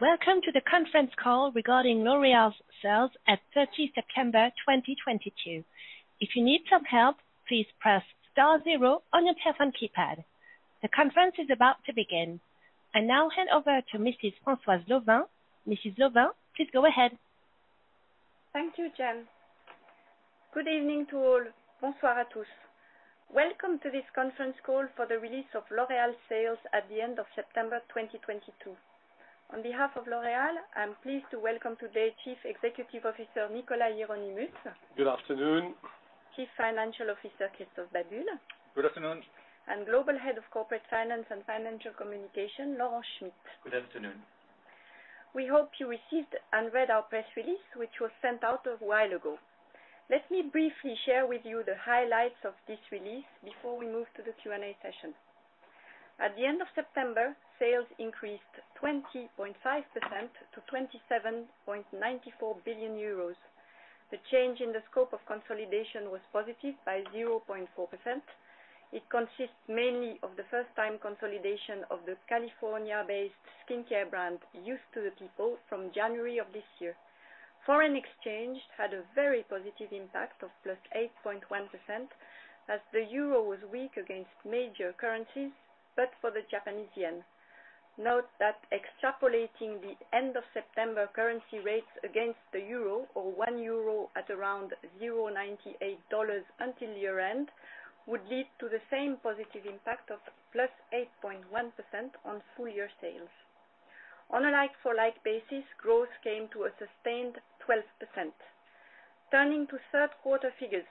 Welcome to the conference call regarding L'Oréal's sales at September 30 2022. If you need some help, please press star zero on your telephone keypad. The conference is about to begin. I now hand over to Mrs. Françoise Lauvin. Mrs. Lauvin, please go ahead. Thank you, Jen. Good evening to all. Welcome to this conference call for the release of L'Oréal sales at the end of September 2022. On behalf of L'Oréal, I'm pleased to welcome today Chief Executive Officer Nicolas Hieronimus. Good afternoon. Chief Financial Officer Christophe Babule. Good afternoon. Global Head of Corporate Finance and Financial Communication, Laurent Schmitt. Good afternoon. We hope you received and read our press release, which was sent out a while ago. Let me briefly share with you the highlights of this release before we move to the Q&A session. At the end of September, sales increased 20.5% to 27.94 billion euros. The change in the scope of consolidation was positive by 0.4%. It consists mainly of the first time consolidation of the California-based skincare brand Youth to the People from January of this year. Foreign exchange had a very positive impact of +8.1% as the euro was weak against major currencies, but for the Japanese yen. Note that extrapolating the end-of-September currency rates against the euro or one euro at around $0.98 until year-end would lead to the same positive impact of +8.1% on full year sales. On a like-for-like basis, growth came to a sustained 12%. Turning to third quarter figures,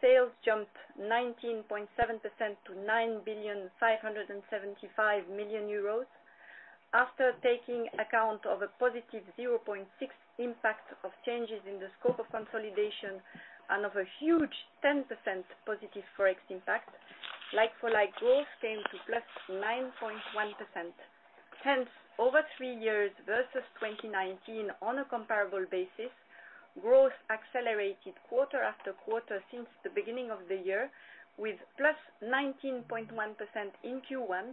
sales jumped 19.7% to 9.575 billion euros. After taking account of a +0.6 impact of changes in the scope of consolidation and of a huge 10% positive Forex impact, like-for-like growth came to +9.1%. Hence, over three years versus 2019, on a comparable basis, growth accelerated quarter after quarter since the beginning of the year, with +19.1% in Q1, +23%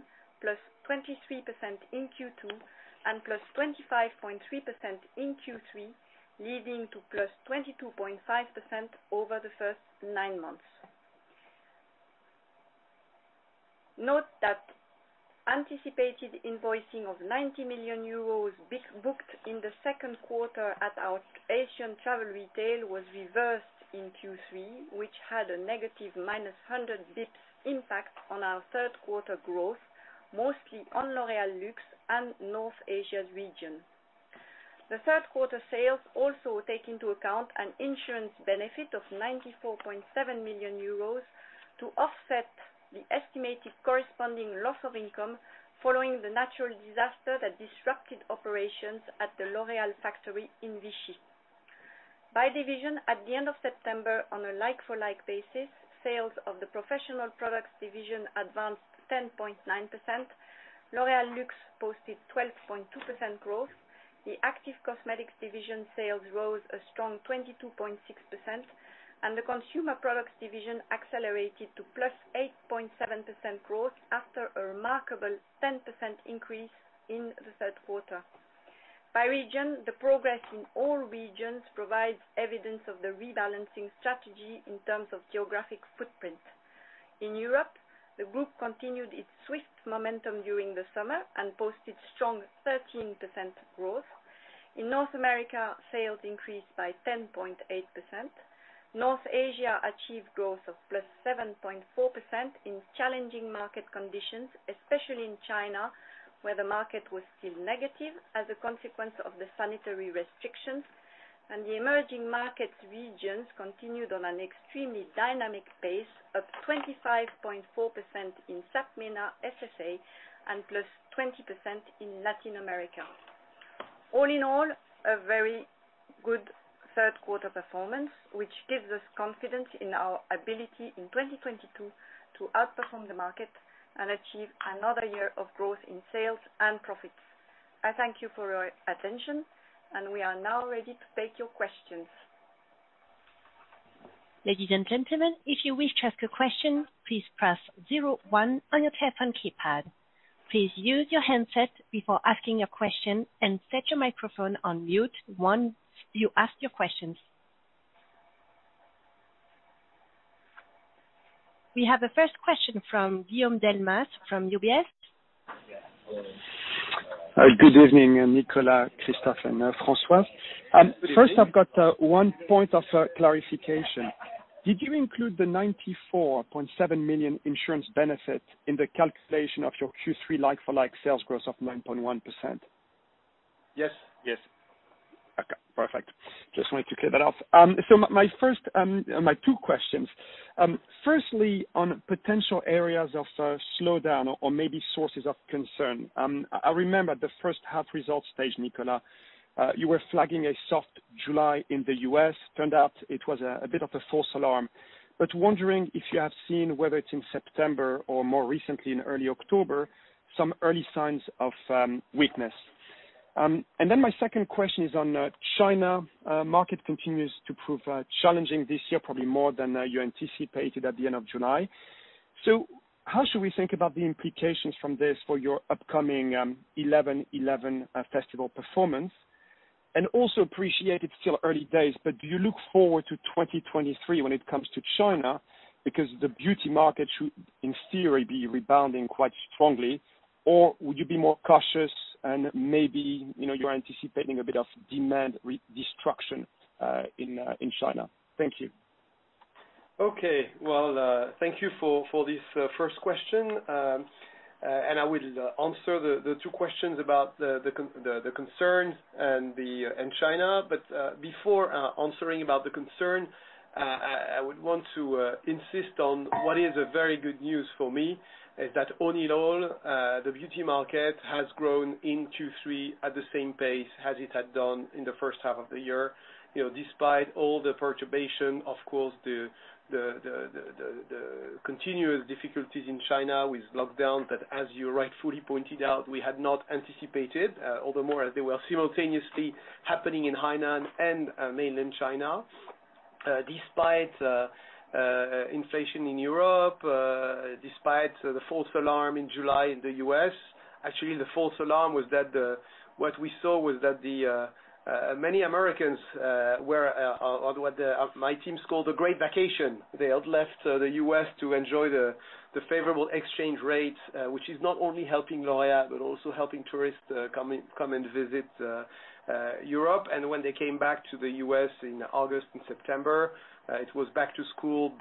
in Q2, and +25.3% in Q3, leading to +22.5% over the first nine months. Note that anticipated invoicing of 90 million euros booked in the second quarter in our Asian travel retail was reversed in Q3, which had a -100 basis points impact on our third quarter growth, mostly on L'Oréal Luxe and North Asia's region. The third quarter sales also take into account an insurance benefit of 94.7 million euros to offset the estimated corresponding loss of income following the natural disaster that disrupted operations at the L'Oréal factory in Vichy. By division, at the end of September, on a like-for-like basis, sales of the Professional Products Division advanced 10.9%. L'Oréal Luxe posted 12.2% growth. The Active Cosmetics Division sales rose a strong 22.6%, and the Consumer Products Division accelerated to +8.7% growth after a remarkable 10% increase in the third quarter. By region, the progress in all regions provides evidence of the rebalancing strategy in terms of geographic footprint. In Europe, the group continued its swift momentum during the summer and posted strong 13% growth. In North America, sales increased by 10.8%. North Asia achieved growth of +7.4% in challenging market conditions, especially in China, where the market was still negative as a consequence of the sanitary restrictions. The emerging markets regions continued on an extremely dynamic pace of 25.4% in SAPMENA-SSA and +20% in Latin America. All in all, a very good third quarter performance, which gives us confidence in our ability in 2022 to outperform the market and achieve another year of growth in sales and profits. I thank you for your attention, and we are now ready to take your questions. Ladies and gentlemen, if you wish to ask a question, please press zero one on your telephone keypad. Please mute your handset before asking your question and set your microphone on mute once you ask your questions. We have the first question from Guillaume Delmas from UBS. Good evening, Nicolas, Christophe, and Françoise. First, I've got one point of clarification. Did you include the 94.7 million insurance benefit in the calculation of your Q3 like-for-like sales growth of 9.1%? Yes. Yes. Okay, perfect. Just wanted to clear that up. So my first, my two questions, firstly on potential areas of slowdown or maybe sources of concern. I remember at the first half results stage, Nicolas, you were flagging a soft July in the U.S. Turned out it was a bit of a false alarm. Wondering if you have seen whether it's in September or more recently in early October, some early signs of weakness. My second question is on China. Market continues to prove challenging this year, probably more than you anticipated at the end of July. How should we think about the implications from this for your upcoming 11/11 festival performance? Also appreciate it's still early days, but do you look forward to 2023 when it comes to China because the beauty market should, in theory, be rebounding quite strongly, or would you be more cautious and maybe, you know, you're anticipating a bit of demand destruction in China? Thank you. Okay. Well, thank you for this first question. I will answer the two questions about the concerns in China. Before answering about the concern, I would want to insist on what is a very good news for me, is that all in all, the beauty market has grown in Q3 at the same pace as it had done in the first half of the year. You know, despite all the perturbation, of course, the continuous difficulties in China with lockdown, but as you rightfully pointed out, we had not anticipated, although more as they were simultaneously happening in Hainan and mainland China. Despite inflation in Europe, despite the false alarm in July in the U.S., actually, the false alarm was that what we saw was that many Americans were on what my team's called the great vacation. They had left the U.S. to enjoy the favorable exchange rates, which is not only helping L'Oréal, but also helping tourists come and visit Europe. When they came back to the U.S. in August and September, it was back to school,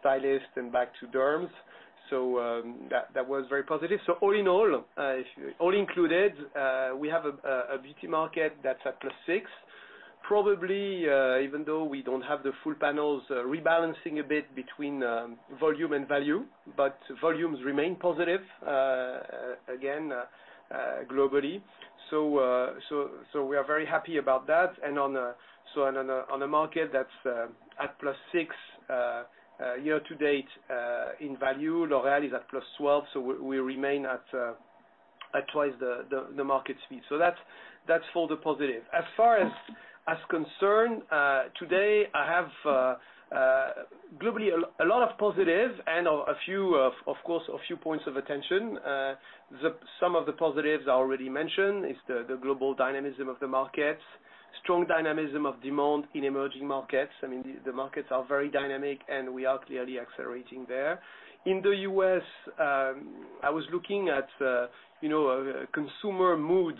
stylists, and derms. That was very positive. All in all included, we have a beauty market that's at +6%. Probably, even though we don't have the full panels rebalancing a bit between volume and value, but volumes remain positive, again, globally. We are very happy about that. On a market that's at +6% year to date in value, L'Oréal is at +12%, so we remain at twice the market speed. That's for the positive. As far as concerns today, I have globally a lot of positive and a few, of course, a few points of attention. Some of the positives I already mentioned is the global dynamism of the markets, strong dynamism of demand in emerging markets. I mean, the markets are very dynamic, and we are clearly accelerating there. In the U.S., I was looking at, you know, a consumer mood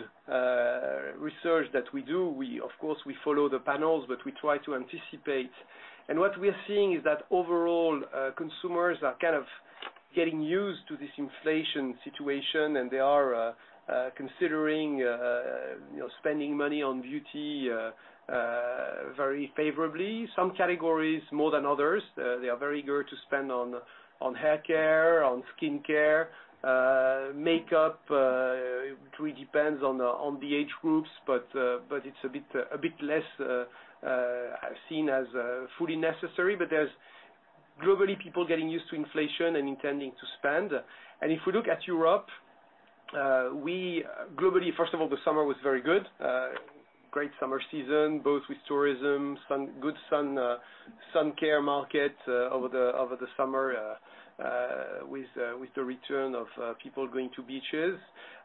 research that we do. Of course, we follow the panels, but we try to anticipate. What we're seeing is that overall, consumers are kind of getting used to this inflation situation, and they are considering, you know, spending money on beauty very favorably. Some categories more than others. They are very eager to spend on hair care, on skin care. Makeup, it really depends on the age groups, but it's a bit less seen as fully necessary. There's globally people getting used to inflation and intending to spend. If we look at Europe, we globally, first of all, the summer was very good. Great summer season, both with tourism, good sun care market over the summer with the return of people going to beaches.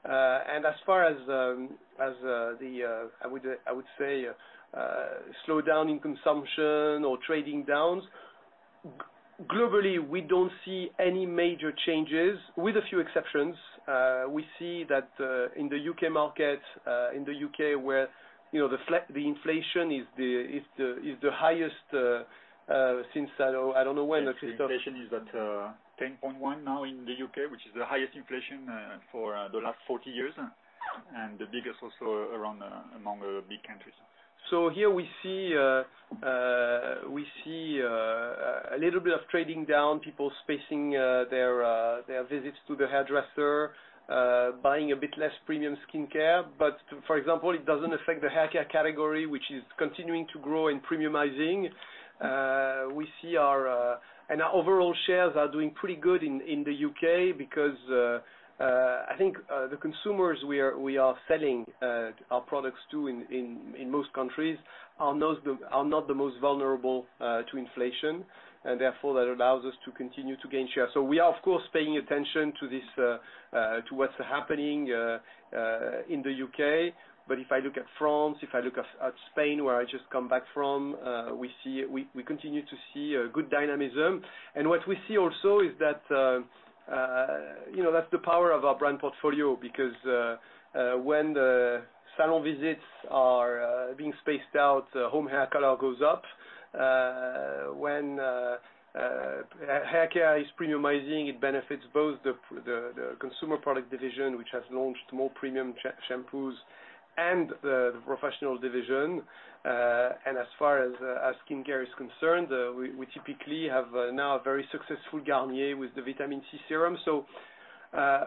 As far as the slowdown in consumption or trading down globally, we don't see any major changes, with a few exceptions. We see that in the U.K. market, in the U.K. where, you know, the inflation is the highest since I don't know when actually. The inflation is at 10.1% now in the U.K., which is the highest inflation for the last 40 years, and the biggest also around among the big countries. Here we see a little bit of trading down, people spacing their visits to the hairdresser, buying a bit less premium skincare. For example, it doesn't affect the haircare category, which is continuing to grow in premiumizing. We see our overall shares are doing pretty good in the U.K. because I think the consumers we are selling our products to in most countries are not the most vulnerable to inflation, and therefore that allows us to continue to gain share. We are of course paying attention to this, to what's happening in the U.K. If I look at France, if I look at Spain where I just come back from, we continue to see a good dynamism. What we see also is that, you know, that's the power of our brand portfolio because when the salon visits are being spaced out, home hair color goes up. When hair care is premiumizing, it benefits both the Consumer Products Division, which has launched more premium shampoos, and Professional Products Division. as far as skincare is concerned, we typically have now a very successful Garnier with the Vitamin C serum.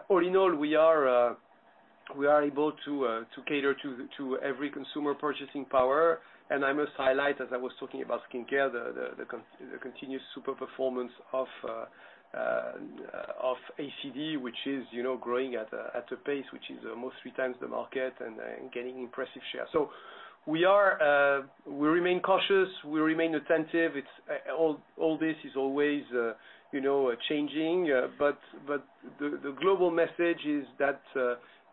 All in all, we are able to cater to every consumer purchasing power. I must highlight, as I was talking about skincare, the continuous super performance of ACD, which is, you know, growing at a pace which is almost three times the market and getting impressive share. We remain cautious, we remain attentive. All this is always, you know, changing. The global message is that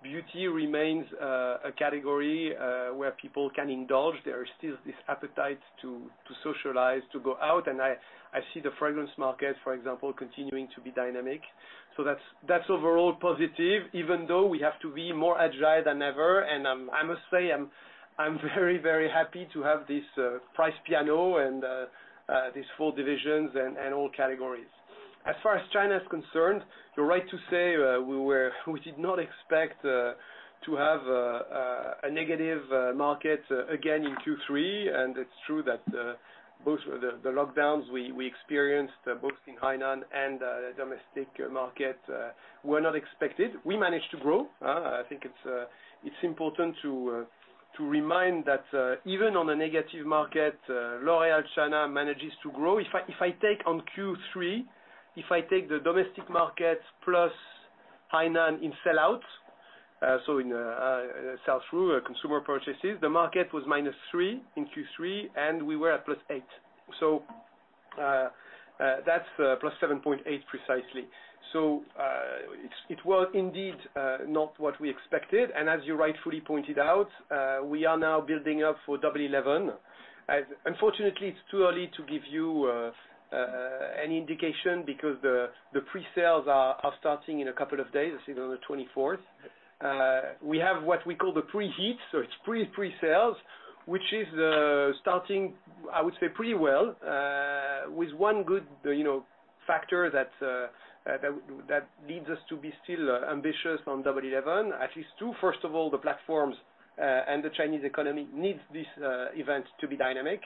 beauty remains a category where people can indulge. There is still this appetite to socialize, to go out, and I see the fragrance market, for example, continuing to be dynamic. That's overall positive, even though we have to be more agile than ever. I must say, I'm very happy to have this price piano and these four divisions and all categories. As far as China is concerned, you're right to say we did not expect to have a negative market again in Q3, and it's true that both the lockdowns we experienced both in Hainan and domestic market were not expected. We managed to grow. I think it's important to remind that even on a negative market, L'Oréal China manages to grow. If I take the domestic market plus Hainan in sell-out, so in sell-through consumer purchases, the market was -3% in Q3, and we were at +8%. That's +7.8% precisely. It was indeed not what we expected. As you rightfully pointed out, we are now building up for Double 11. Unfortunately, it's too early to give you an indication because the pre-sales are starting in a couple of days, I think on the 24th. We have what we call the pre-heat, so it's pre-pre-sales, which is starting, I would say, pretty well, with one good, you know, factor that that leads us to be still ambitious on Double 11. At least two, first of all, the platforms and the Chinese economy needs this event to be dynamic.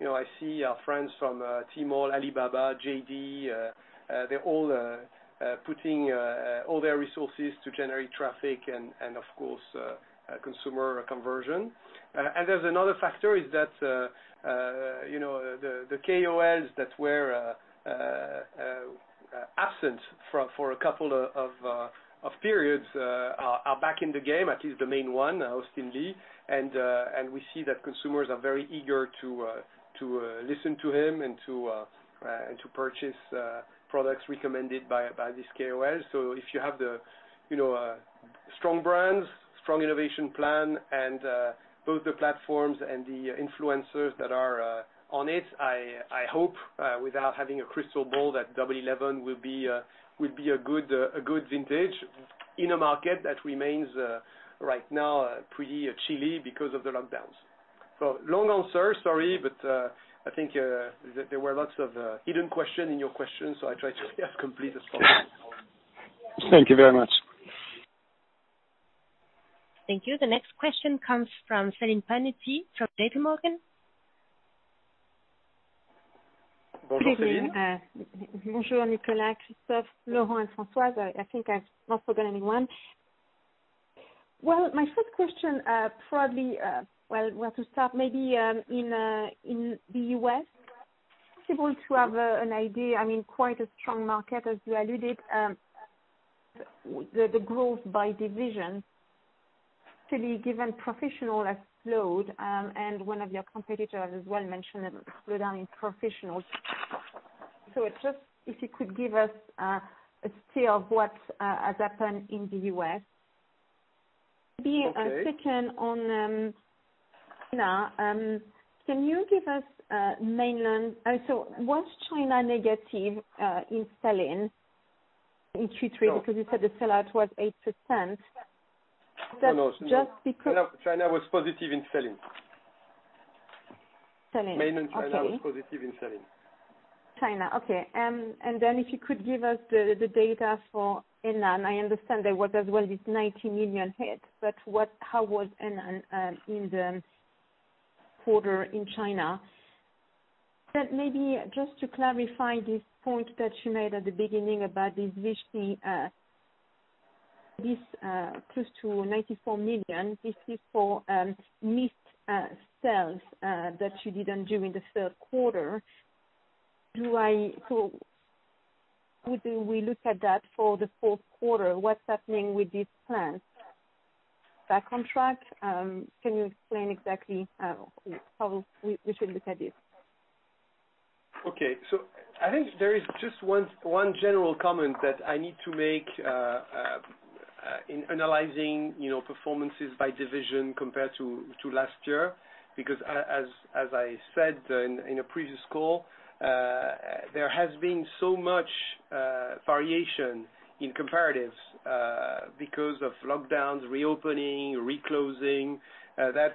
You know, I see our friends from Tmall, Alibaba, JD, they're all putting all their resources to generate traffic and, of course, consumer conversion. There's another factor is that, you know, the KOLs that were absent for a couple of periods are back in the game, at least the main one, Austin Li. We see that consumers are very eager to listen to him and to purchase products recommended by this KOLs. If you have, you know, strong brands, strong innovation plan, and both the platforms and the influencers that are on it, I hope without having a crystal ball, that Double 11 will be a good vintage in a market that remains, right now, pretty chilly because of the lockdowns. Long answer, sorry, but I think there were lots of hidden question in your question, so I try to be as complete as possible. Thank you very much. Thank you. The next question comes from Celine Pannuti from Deutsche Bank. Go ahead, Celine. Good evening. Bonjour, Nicolas, Christophe, Laurent and Françoise. I think I've not forgotten anyone. Well, my first question, probably, well, where to start, maybe, in the U.S. Possible to have, an idea, I mean, quite a strong market, as you alluded, the growth by division. Actually given Professional has slowed, and one of your competitors as well mentioned a slowdown in Professional. Just if you could give us, a view of what, has happened in the U.S. Maybe a second on, China. Can you give us, so was China negative, in sell-in in Q3? Because you said the sell-out was 8%. That's just because- No, China was positive in sell-in. Sell-in, okay. Mainland China was positive in sell-in. China. Okay. If you could give us the data for Hainan. I understand there was as well a 90 million hit, but how was Hainan in the quarter in China? Maybe just to clarify this point that you made at the beginning about this Vichy close to 94 million. This is for missed sales that you didn't do in the third quarter. How do we look at that for the fourth quarter? What's happening with this plan? Back on track? Can you explain exactly how we should look at this? I think there is just one general comment that I need to make in analyzing, you know, performances by division compared to last year. Because as I said in a previous call, there has been so much variation in comparatives because of lockdowns, reopening, reclosing. If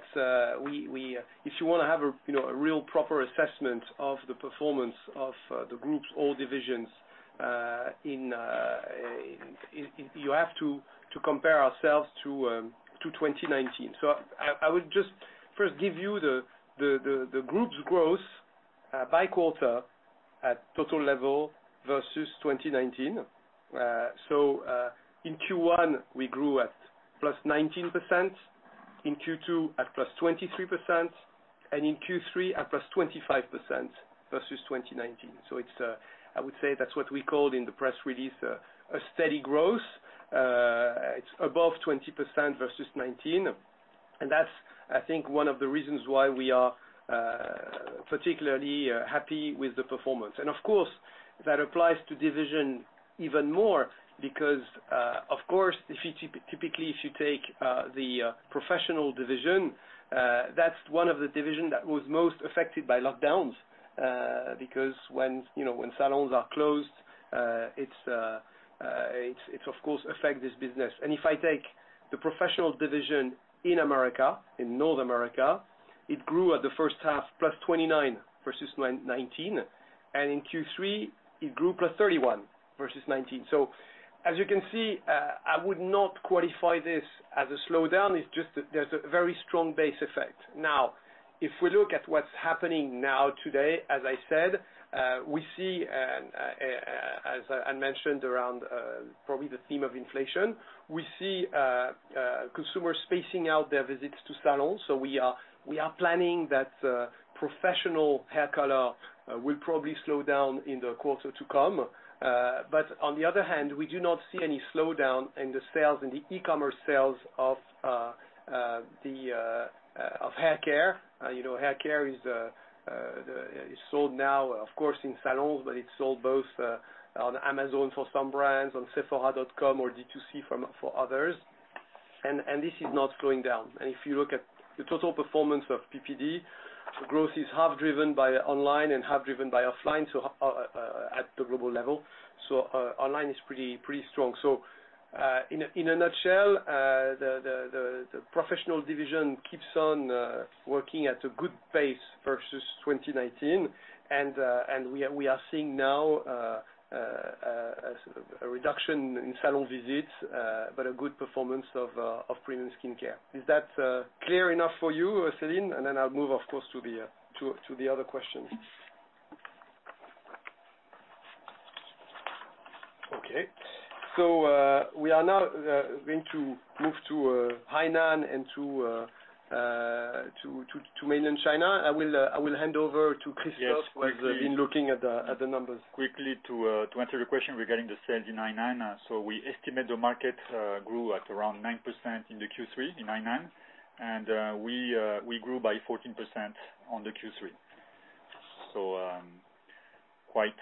you want to have a, you know, a real proper assessment of the performance of the group's all divisions, you have to compare ourselves to 2019. I will just first give you the group's growth by quarter at total level versus 2019. In Q1, we grew at +19%. In Q2 at +23% and in Q3 at +25% versus 2019. It's I would say that's what we called in the press release a steady growth. It's above 20% versus 2019. That's I think one of the reasons why we are particularly happy with the performance. Of course that applies to division even more because of course if you typically if you take the Professional Products Division that's one of the divisions that was most affected by lockdowns because when you know when salons are closed it of course affects this business. If I take Professional Products Division in America in North America it grew in the first half +29% versus 2019 and in Q3 it grew +31% versus 2019. As you can see I would not qualify this as a slowdown. It's just there's a very strong base effect. Now, if we look at what's happening now, today, as I said, we see, as I mentioned around probably the theme of inflation, we see consumers spacing out their visits to salons. We are planning that professional hair color will probably slow down in the quarter to come. On the other hand, we do not see any slowdown in the sales, in the e-commerce sales of hair care. You know, hair care is sold now, of course, in salons, but it's sold both on Amazon for some brands, on Sephora or D2C for others. This is not slowing down. If you look at the total performance of PPD, growth is half driven by online and half driven by offline at the global level. Online is pretty strong. In a nutshell, the professional division keeps on working at a good pace versus 2019. We are seeing now a reduction in salon visits but a good performance of premium skincare. Is that clear enough for you, Celine? Then I'll move, of course, to the other questions. We are now going to move to Hainan and to Mainland China. I will hand over to Christophe who has been looking at the numbers. Yes. Quickly to answer your question regarding the sales in Hainan. We estimate the market grew at around 9% in the Q3 in Hainan, and we grew by 14% in the Q3. Quite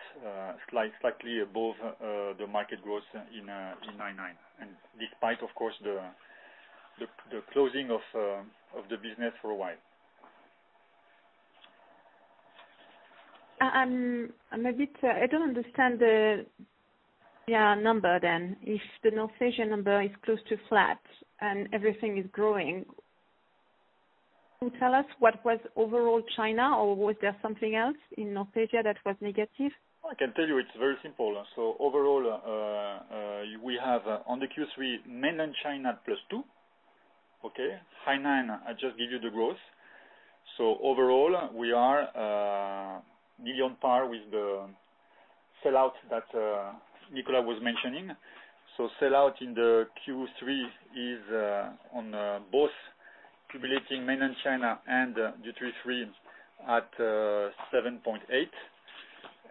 slightly above the market growth in Hainan. Despite, of course, the closing of the business for a while. I don't understand the number then. If the North Asia number is close to flat and everything is growing, can you tell us what was overall China, or was there something else in North Asia that was negative? I can tell you it's very simple. Overall, we have on the Q3, Mainland China +2%. Okay? Hainan, I just give you the growth. Overall, we are nearly on par with the sell-out that Nicolas was mentioning. Sell-out in the Q3 is on both accumulating Mainland China and duty-free at 7.8%.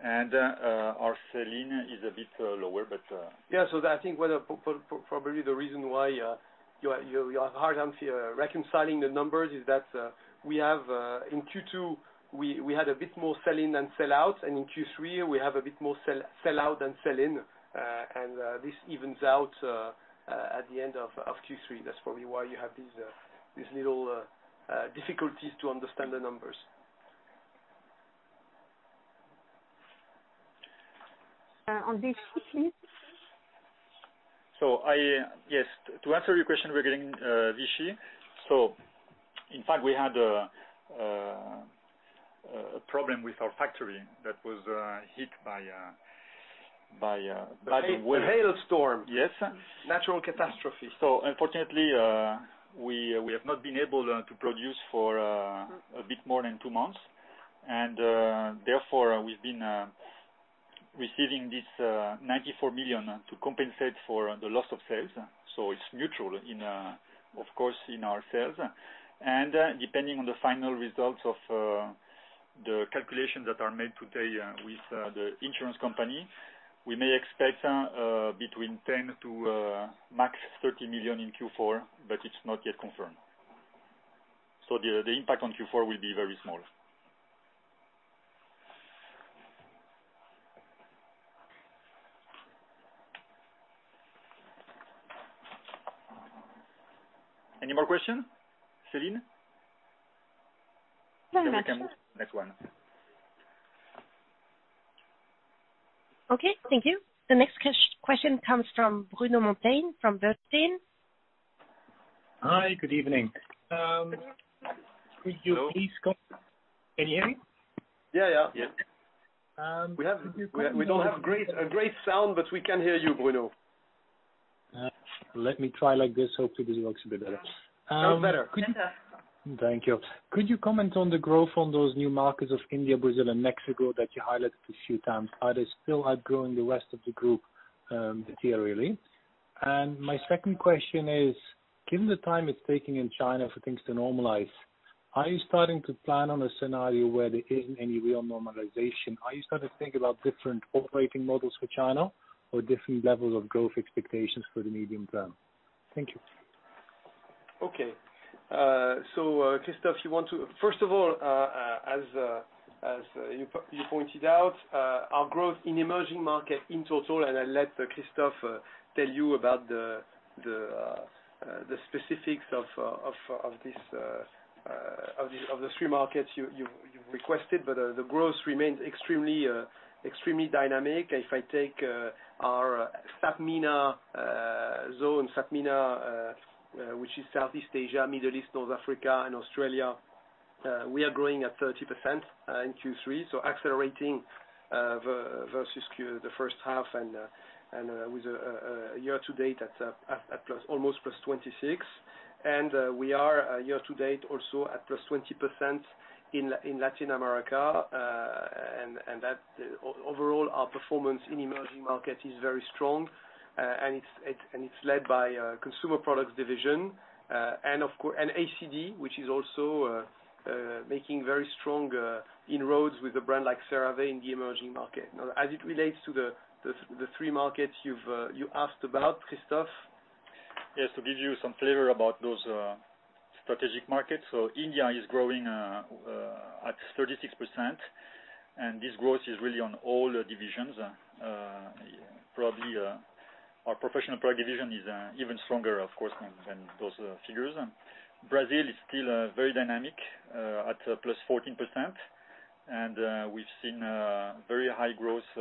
Our sell-in is a bit lower, but- Yeah. I think probably one of the reasons why it's hard to reconcile the numbers is that in Q2 we had a bit more sell-in than sell-out, and in Q3 we have a bit more sell-out than sell-in. This evens out at the end of Q3. That's probably why you have these little difficulties to understand the numbers. On Vichy please. Yes, to answer your question regarding Vichy, so in fact, we had a problem with our factory that was hit by the- A hail storm. Yes. Natural catastrophe. Unfortunately, we have not been able to produce for a bit more than two months. Therefore, we've been receiving this 94 million to compensate for the loss of sales. It's neutral, of course, in our sales. Depending on the final results of the calculations that are made today with the insurance company, we may expect between 10 million to max 30 million in Q4, but it's not yet confirmed. The impact on Q4 will be very small. Any more questions, Celine? No more. Next one. Okay. Thank you. The next question comes from Bruno Monteyne from Bernstein. Hi. Good evening. Could you please co- Hello. Can you hear me? Yeah, yeah. Yeah. Could you We don't have a great sound, but we can hear you, Bruno. Let me try like this. Hopefully, this works a bit better. Sounds better. Fantastic. Thank you. Could you comment on the growth on those new markets of India, Brazil and Mexico that you highlighted a few times? Are they still outgrowing the rest of the group, this year, really? And my second question is, given the time it's taking in China for things to normalize, are you starting to plan on a scenario where there isn't any real normalization? Are you starting to think about different operating models for China or different levels of growth expectations for the medium term? Thank you. Christophe, first of all, as you pointed out, our growth in emerging markets in total, and I'll let Christophe tell you about the specifics of the three markets you've requested. The growth remains extremely dynamic. If I take our SAPMENA zone, SAPMENA, which is Southeast Asia, Middle East, North Africa and Australia, we are growing at 30% in Q3. Accelerating versus the first half and with a year to date at almost +26%. We are year to date also at +20% in Latin America. That overall our performance in emerging markets is very strong. It's led by Consumer Products Division and ACD, which is also making very strong inroads with a brand like CeraVe in the emerging market. Now, as it relates to the three markets you've asked about, Christophe? Yes. To give you some flavor about those strategic markets. India is growing at 36%, and this growth is really on all the divisions. Probably our Professional Products Division is even stronger, of course, than those figures. Brazil is still very dynamic at +14%. We've seen very high growth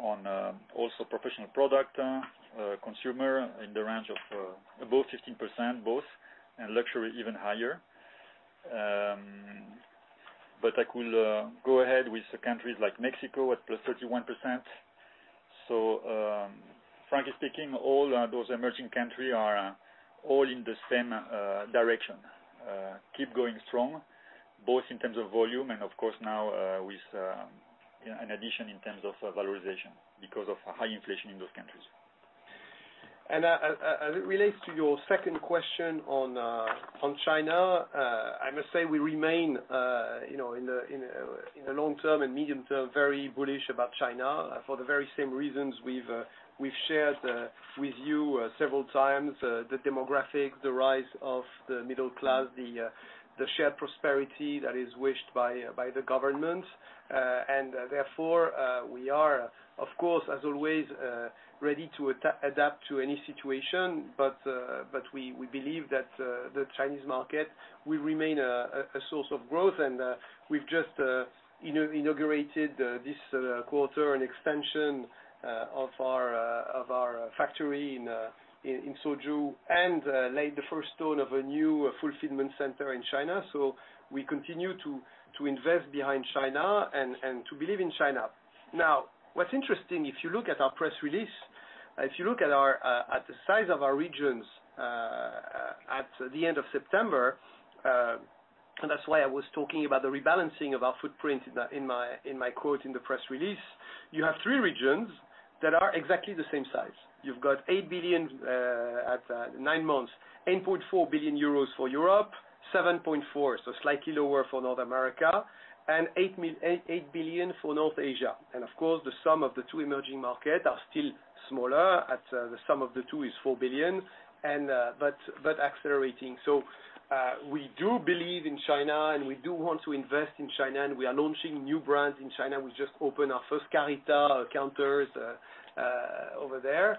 on also Professional Products consumer in the range of above 15% both, and luxury even higher. I could go ahead with countries like Mexico at +31%. Frankly speaking, all those emerging country are all in the same direction. Keep going strong, both in terms of volume and of course now with in addition, in terms of valorization because of high inflation in those countries. As it relates to your second question on China, I must say we remain, you know, in the long term and medium term, very bullish about China. For the very same reasons we've shared with you several times. The demographics, the rise of the middle class, the shared prosperity that is wished by the government. Therefore, we are, of course, as always, ready to adapt to any situation. We believe that the Chinese market will remain a source of growth. We've just inaugurated this quarter an extension of our factory in Suzhou, and laid the first stone of a new fulfillment center in China. We continue to invest behind China and to believe in China. What's interesting, if you look at our press release, if you look at the size of our regions, at the end of September, and that's why I was talking about the rebalancing of our footprint in my quote in the press release. You have three regions that are exactly the same size. You've got 8 billion at nine months, 8.4 billion euros for Europe, 7.4 billion, so slightly lower for North America, and 8 billion for North Asia. Of course, the sum of the two emerging markets are still smaller at the sum of the two is 4 billion, but accelerating. We do believe in China, and we do want to invest in China, and we are launching new brands in China. We just opened our first Carita counters over there.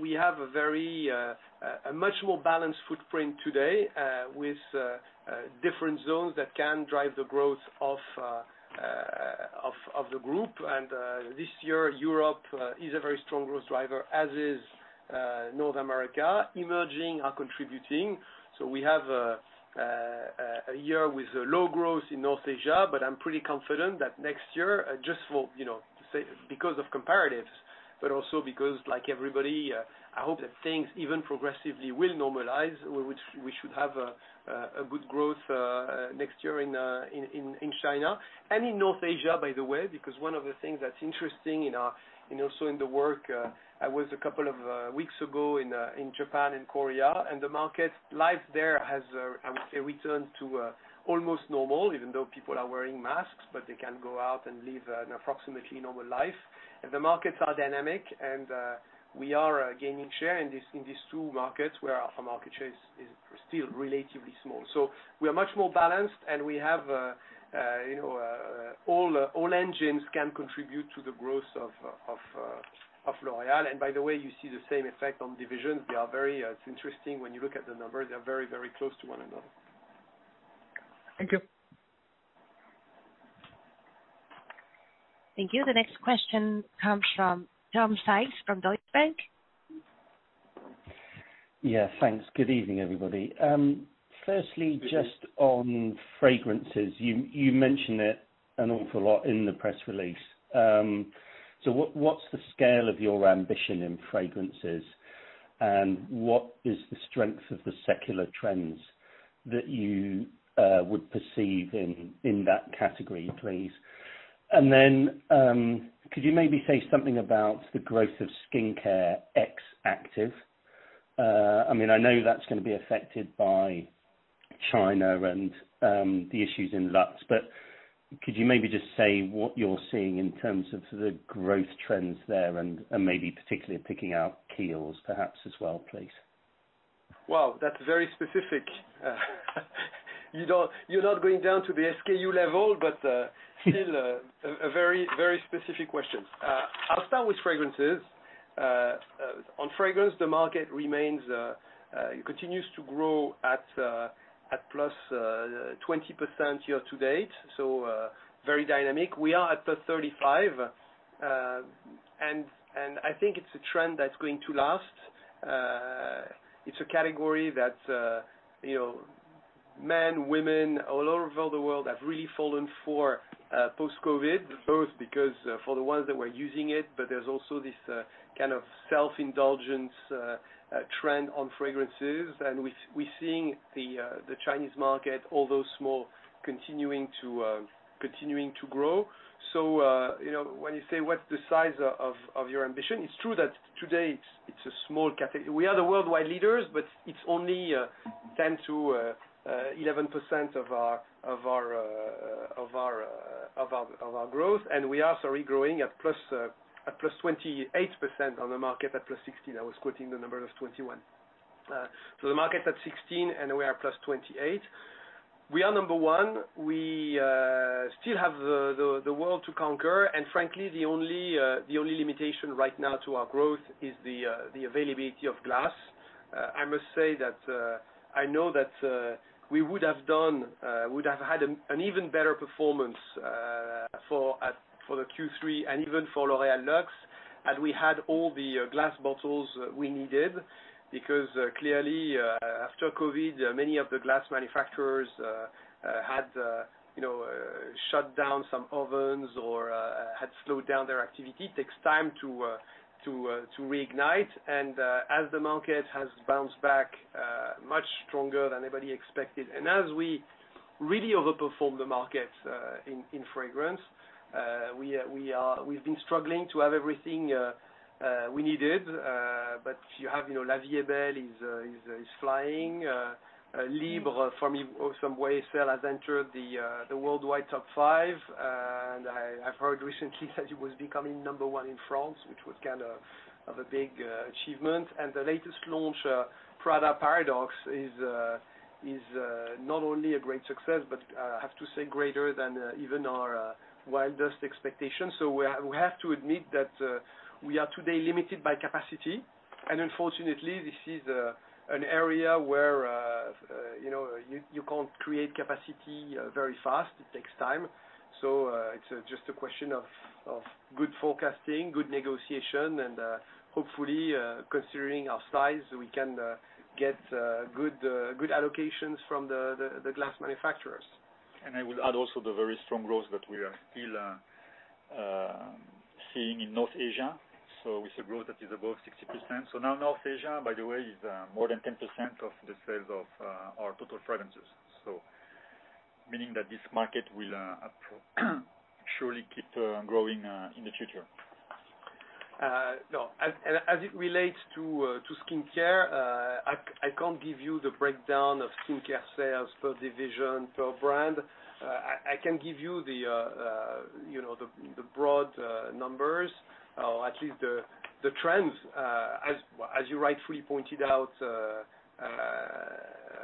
We have a much more balanced footprint today, with different zones that can drive the growth of the group. This year, Europe is a very strong growth driver, as is North America. Emerging are contributing. We have a year with low growth in North Asia, but I'm pretty confident that next year, just for, you know, say because of comparatives, but also because like everybody, I hope that things even progressively will normalize. We should have a good growth next year in China and in North Asia, by the way, because one of the things that's interesting in our, and also in the work I was a couple of weeks ago in Japan and Korea, and the market life there has a return to almost normal, even though people are wearing masks, but they can go out and live an approximately normal life. The markets are dynamic, and we are gaining share in these two markets where our market share is still relatively small. So we are much more balanced, and we have, you know, all engines can contribute to the growth of L'Oréal. By the way, you see the same effect on divisions. We are very. It's interesting when you look at the numbers, they're very, very close to one another. Thank you. Thank you. The next question comes from Tom Sykes from Deutsche Bank. Yeah, thanks. Good evening, everybody. Firstly, just on fragrances, you mentioned it an awful lot in the press release. So what's the scale of your ambition in fragrances? What is the strength of the secular trends that you would perceive in that category, please? Could you maybe say something about the growth of skincare ex-active? I mean, I know that's gonna be affected by China and the issues in Luxe, but could you maybe just say what you're seeing in terms of sort of growth trends there and maybe particularly picking out Kiehl's perhaps as well, please. Well, that's very specific. You're not going down to the SKU level, but still a very specific question. I'll start with fragrances. On fragrance, the market continues to grow at +20% year to date, so very dynamic. We are at +35%, and I think it's a trend that's going to last. It's a category that you know, men, women all over the world have really fallen for post-COVID, both because for the ones that were using it, but there's also this kind of self-indulgence trend on fragrances. We're seeing the Chinese market, although small, continuing to grow. You know, when you say what's the size of your ambition, it's true that today it's a small category. We are the worldwide leaders, but it's only 10%-11% of our growth, and we are sorry growing at +28% on the market at +16%. I was quoting the number as 21%. The market at 16%, and we are +28%. We are number one. We still have the world to conquer, and frankly, the only limitation right now to our growth is the availability of glass. I must say that I know that we would have had an even better performance for the Q3 and even for L'Oréal Luxe, had we had all the glass bottles we needed because clearly, after COVID, many of the glass manufacturers had you know shut down some ovens or had slowed down their activity. It takes time to reignite. As the market has bounced back much stronger than anybody expected, and as we really overperform the market in fragrance, we've been struggling to have everything we needed. But you know, La Vie est Belle is flying. Libre from YSL has entered the worldwide top five. I've heard recently that it was becoming number one in France, which was kind of a big achievement. The latest launch, Prada Paradoxe, is not only a great success, but I have to say greater than even our wildest expectations. We have to admit that we are today limited by capacity, and unfortunately, this is an area where you know you can't create capacity very fast. It takes time. It's just a question of good forecasting, good negotiation, and hopefully, considering our size, we can get good allocations from the glass manufacturers. I would add also the very strong growth that we are still seeing in North Asia. With a growth that is above 60%. Now North Asia, by the way, is more than 10% of the sales of our total fragrances. Meaning that this market will surely keep growing in the future. No, as it relates to skincare, I can't give you the breakdown of skincare sales per division, per brand. I can give you know, the broad numbers, or at least the trends. As you rightfully pointed out,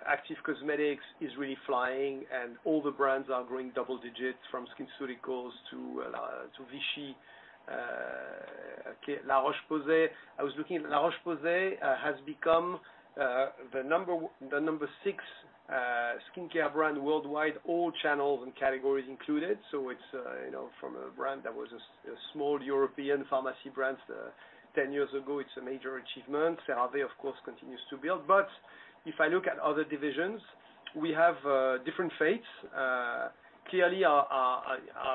Active Cosmetics is really flying, and all the brands are growing double digits from Skinceuticals to Vichy, okay, La Roche-Posay. I was looking, La Roche-Posay has become the number six skincare brand worldwide, all channels and categories included. It's, you know, from a brand that was a small European pharmacy brand 10 years ago. It's a major achievement. CeraVe, of course, continues to build. If I look at other divisions, we have different fates. Clearly our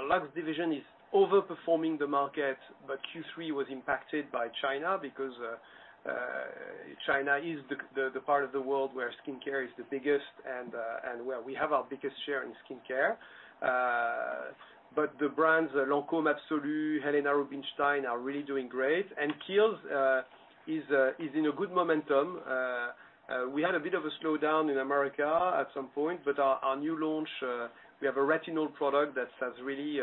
Luxe Division is overperforming the market, but Q3 was impacted by China because China is the part of the world where skincare is the biggest and where we have our biggest share in skincare. The brands Lancôme Absolue, Helena Rubinstein are really doing great. Kiehl's is in a good momentum. We had a bit of a slowdown in America at some point, but our new launch, we have a retinol product that has really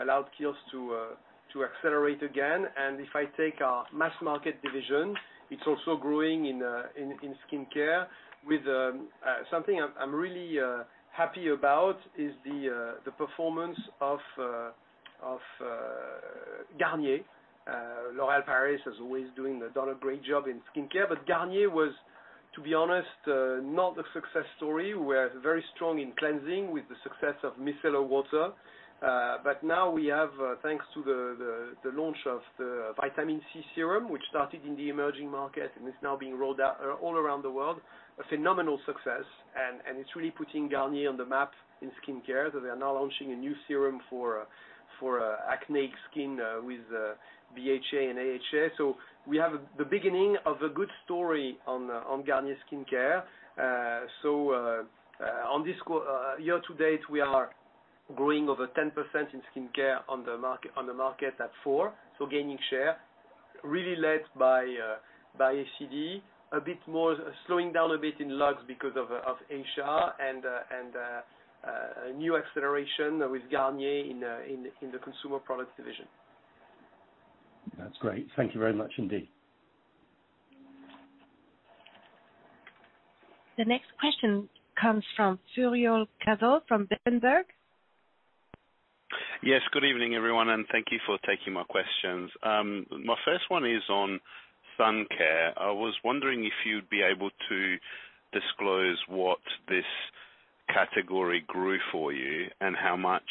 allowed Kiehl's to accelerate again. If I take our mass market division, it's also growing in skincare with something I'm really happy about is the performance of Garnier. L'Oréal Paris is always doing. Done a great job in skincare, but Garnier was, to be honest, not a success story. We're very strong in cleansing, success of micellar water. Now we have, thanks to the launch of the vitamin C serum, which started in the emerging market and is now being rolled out all around the world, a phenomenal success. It's really putting Garnier on the map in skincare, that they are now launching a new serum for acne skin with BHA and AHA. We have the beginning of a good story on Garnier skincare. On this score, year to date, we are growing over 10% in skincare on the market at 4%. Gaining share really led by ACD, a bit more, slowing down a bit in Luxe because of Asia and a new acceleration with Garnier in the Consumer Products Division. That's great. Thank you very much indeed. The next question comes from Fulvio Cazzol from Berenberg. Yes. Good evening, everyone, and thank you for taking my questions. My first one is on sun care. I was wondering if you'd be able to disclose what this category grew for you and how much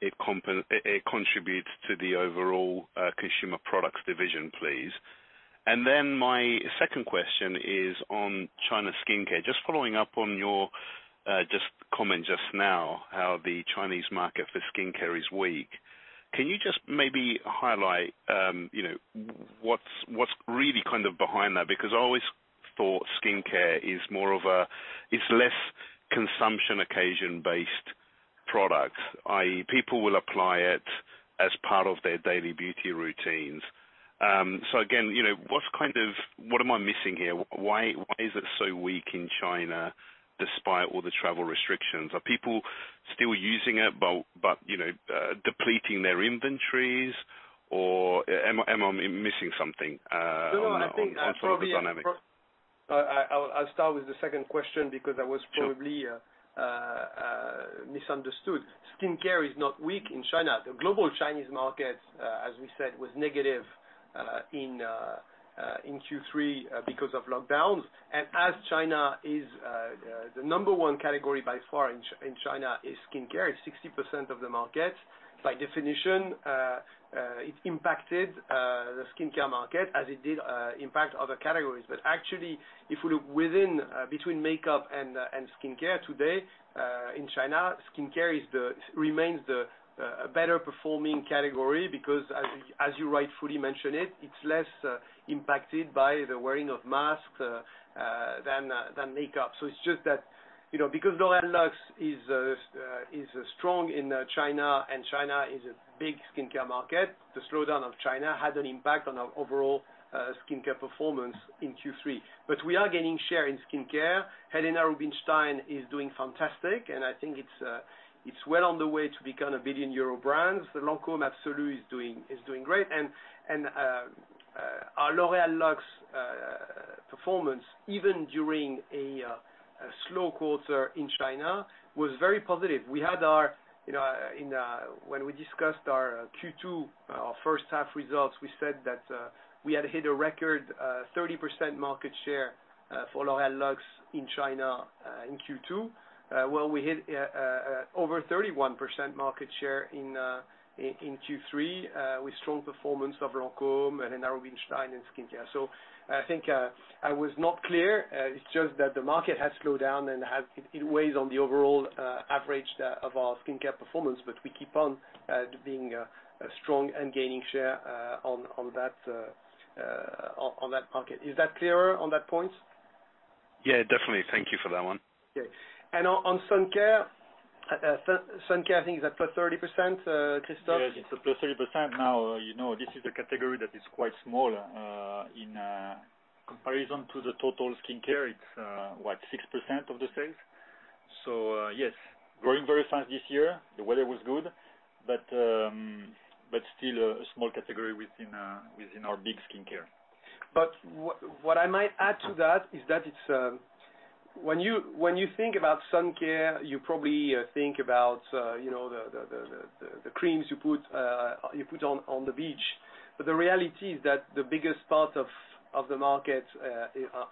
it contributes to the overall Consumer Products Division, please. My second question is on China skincare. Just following up on your just comment just now, how the Chinese market for skincare is weak. Can you just maybe highlight what's really kind of behind that? Because I always thought skincare is less consumption occasion-based product, i.e., people will apply it as part of their daily beauty routines. So again, what am I missing here? Why is it so weak in China despite all the travel restrictions? Are people still using it, but you know, depleting their inventories? Or am I missing something? No, I think I probably. on some of the dynamics. I'll start with the second question because I was probably. Sure Misunderstood. Skincare is not weak in China. The global Chinese market, as we said, was negative in Q3 because of lockdowns. As China is the number one category by far in China is skincare. It's 60% of the market. By definition, it impacted the skincare market as it did impact other categories. Actually, if we look within between makeup and skincare today in China, skincare remains the better performing category because as you rightfully mentioned it's less impacted by the wearing of masks than makeup. It's just that, you know, because L'Oréal Luxe is strong in China and China is a big skincare market, the slowdown of China had an impact on our overall skincare performance in Q3. We are gaining share in skincare. Helena Rubinstein is doing fantastic, and I think it's well on the way to become a billion-euro brand. The Lancôme Absolue is doing great. Our L'Oréal Luxe performance, even during a slow quarter in China, was very positive. When we discussed our Q2, our first half results, we said that we had hit a record 30% market share for L'Oréal Luxe in China, in Q2. Well, we hit over 31% market share in Q3 with strong performance of Lancôme and Helena Rubinstein in skincare. I think I was not clear. It's just that the market has slowed down and it weighs on the overall average of our skincare performance. We keep on being strong and gaining share on that market. Is that clearer on that point? Yeah, definitely. Thank you for that one. Okay. On sun care, I think is at +30%, Christophe? Yes, it's +30%. Now, you know, this is a category that is quite small in comparison to the total skincare. It's what? 6% of the sales. Yes, growing very fast this year. The weather was good, but still a small category within our big skincare. What I might add to that is that it's when you think about sun care, you probably think about you know, the creams you put on the beach. The reality is that the biggest part of the market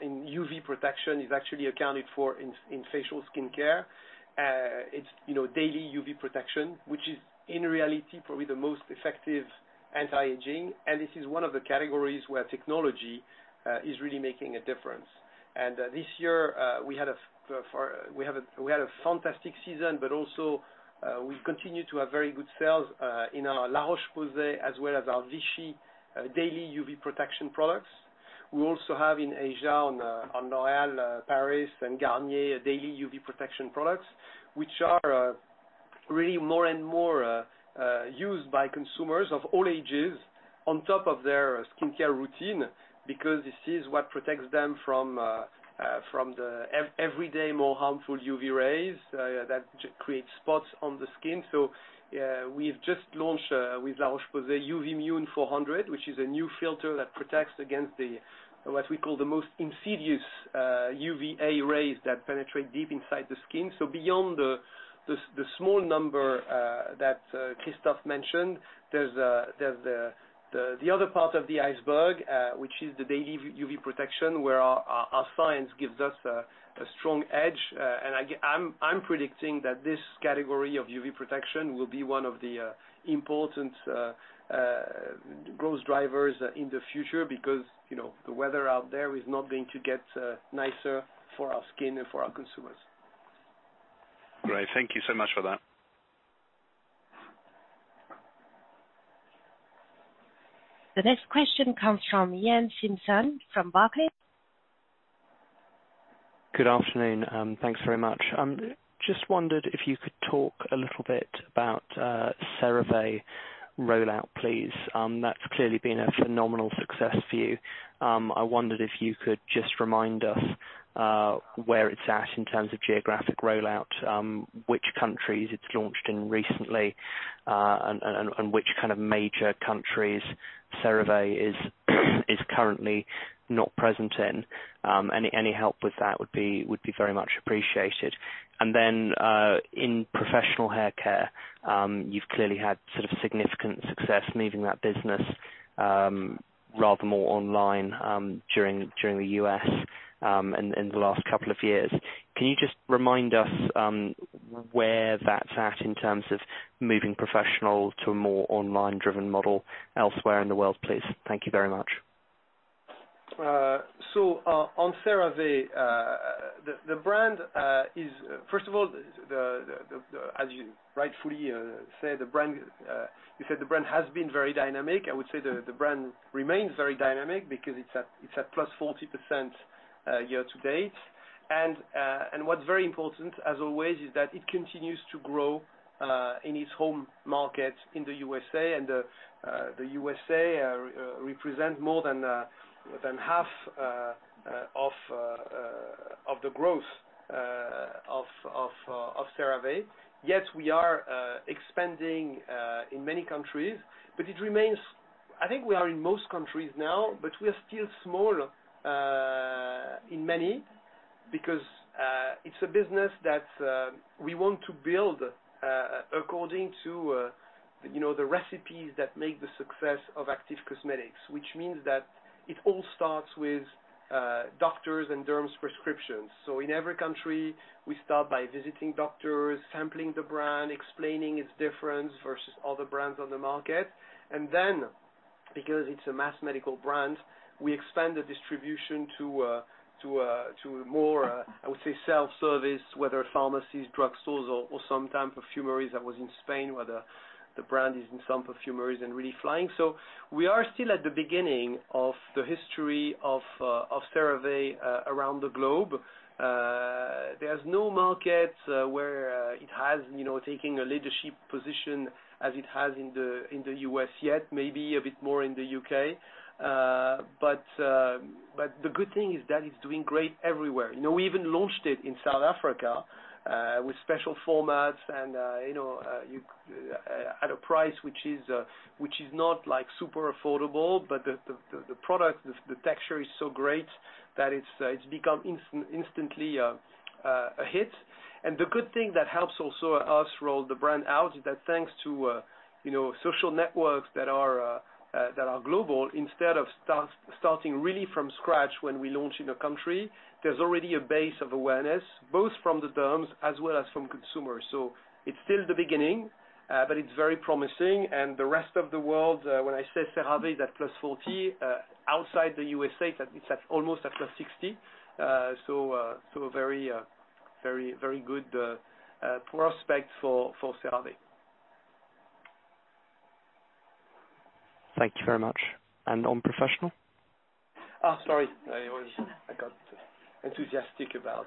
in UV protection is actually accounted for in facial skincare. It's you know, daily UV protection, which is, in reality, probably the most effective anti-aging. This is one of the categories where technology is really making a difference. This year we had a fantastic season, but also, we've continued to have very good sales in our La Roche-Posay as well as our Vichy daily UV protection products. We also have in Asia on L'Oréal Paris and Garnier daily UV protection products, which are really more and more used by consumers of all ages on top of their skincare routine because this is what protects them from everyday, more harmful UV rays that create spots on the skin. We've just launched with La Roche-Posay UVMune 400, which is a new filter that protects against the, what we call the most insidious, UVA rays that penetrate deep inside the skin. Beyond the small number that Christophe mentioned. There's the other part of the iceberg, which is the daily UV protection, where our science gives us a strong edge. I'm predicting that this category of UV protection will be one of the important growth drivers in the future because, you know, the weather out there is not going to get nicer for our skin and for our consumers. Great. Thank you so much for that. The next question comes from Iain Simpson from Barclays. Good afternoon, thanks very much. Just wondered if you could talk a little bit about CeraVe rollout, please. That's clearly been a phenomenal success for you. I wondered if you could just remind us where it's at in terms of geographic rollout, which countries it's launched in recently, and which kind of major countries CeraVe is currently not present in. Any help with that would be very much appreciated. Then, in professional haircare, you've clearly had sort of significant success moving that business rather more online during the U.S. in the last couple of years. Can you just remind us where that's at in terms of moving Professional to a more online-driven model elsewhere in the world, please? Thank you very much. On CeraVe, the brand. First of all, as you rightfully say, the brand you said the brand has been very dynamic. I would say the brand remains very dynamic because it's at +40%, year to date. What's very important, as always, is that it continues to grow in its home market in the U.S.A. The U.S.A. represent more than half of the growth of CeraVe. Yes, we are expanding in many countries, but it remains. I think we are in most countries now, but we are still small in many because it's a business that we want to build according to, you know, the recipes that make the success of Active Cosmetics. Which means that it all starts with doctors and derms prescriptions. In every country, we start by visiting doctors, sampling the brand, explaining its difference versus other brands on the market. Because it's a mass medical brand, we expand the distribution to more, I would say self-service, whether pharmacies, drugstores or sometimes perfumeries. I was in Spain, where the brand is in some perfumeries and really flying. We are still at the beginning of the history of CeraVe around the globe. There's no market where it has, you know, taken a leadership position as it has in the U.S., yet. Maybe a bit more in the U.K. The good thing is that it's doing great everywhere. You know, we even launched it in South Africa with special formats and, you know, at a price which is not like super affordable, but the product, the texture is so great that it's become instantly a hit. The good thing that helps also us roll the brand out is that thanks to, you know, social networks that are global, instead of starting really from scratch when we launch in a country, there's already a base of awareness, both from the derms as well as from consumers. It's still the beginning, but it's very promising. The rest of the world, when I say CeraVe is at +40%, outside the U.S.A., it's almost at +60%. Very good prospect for CeraVe. Thank you very much. On professional? Oh, sorry. I got enthusiastic about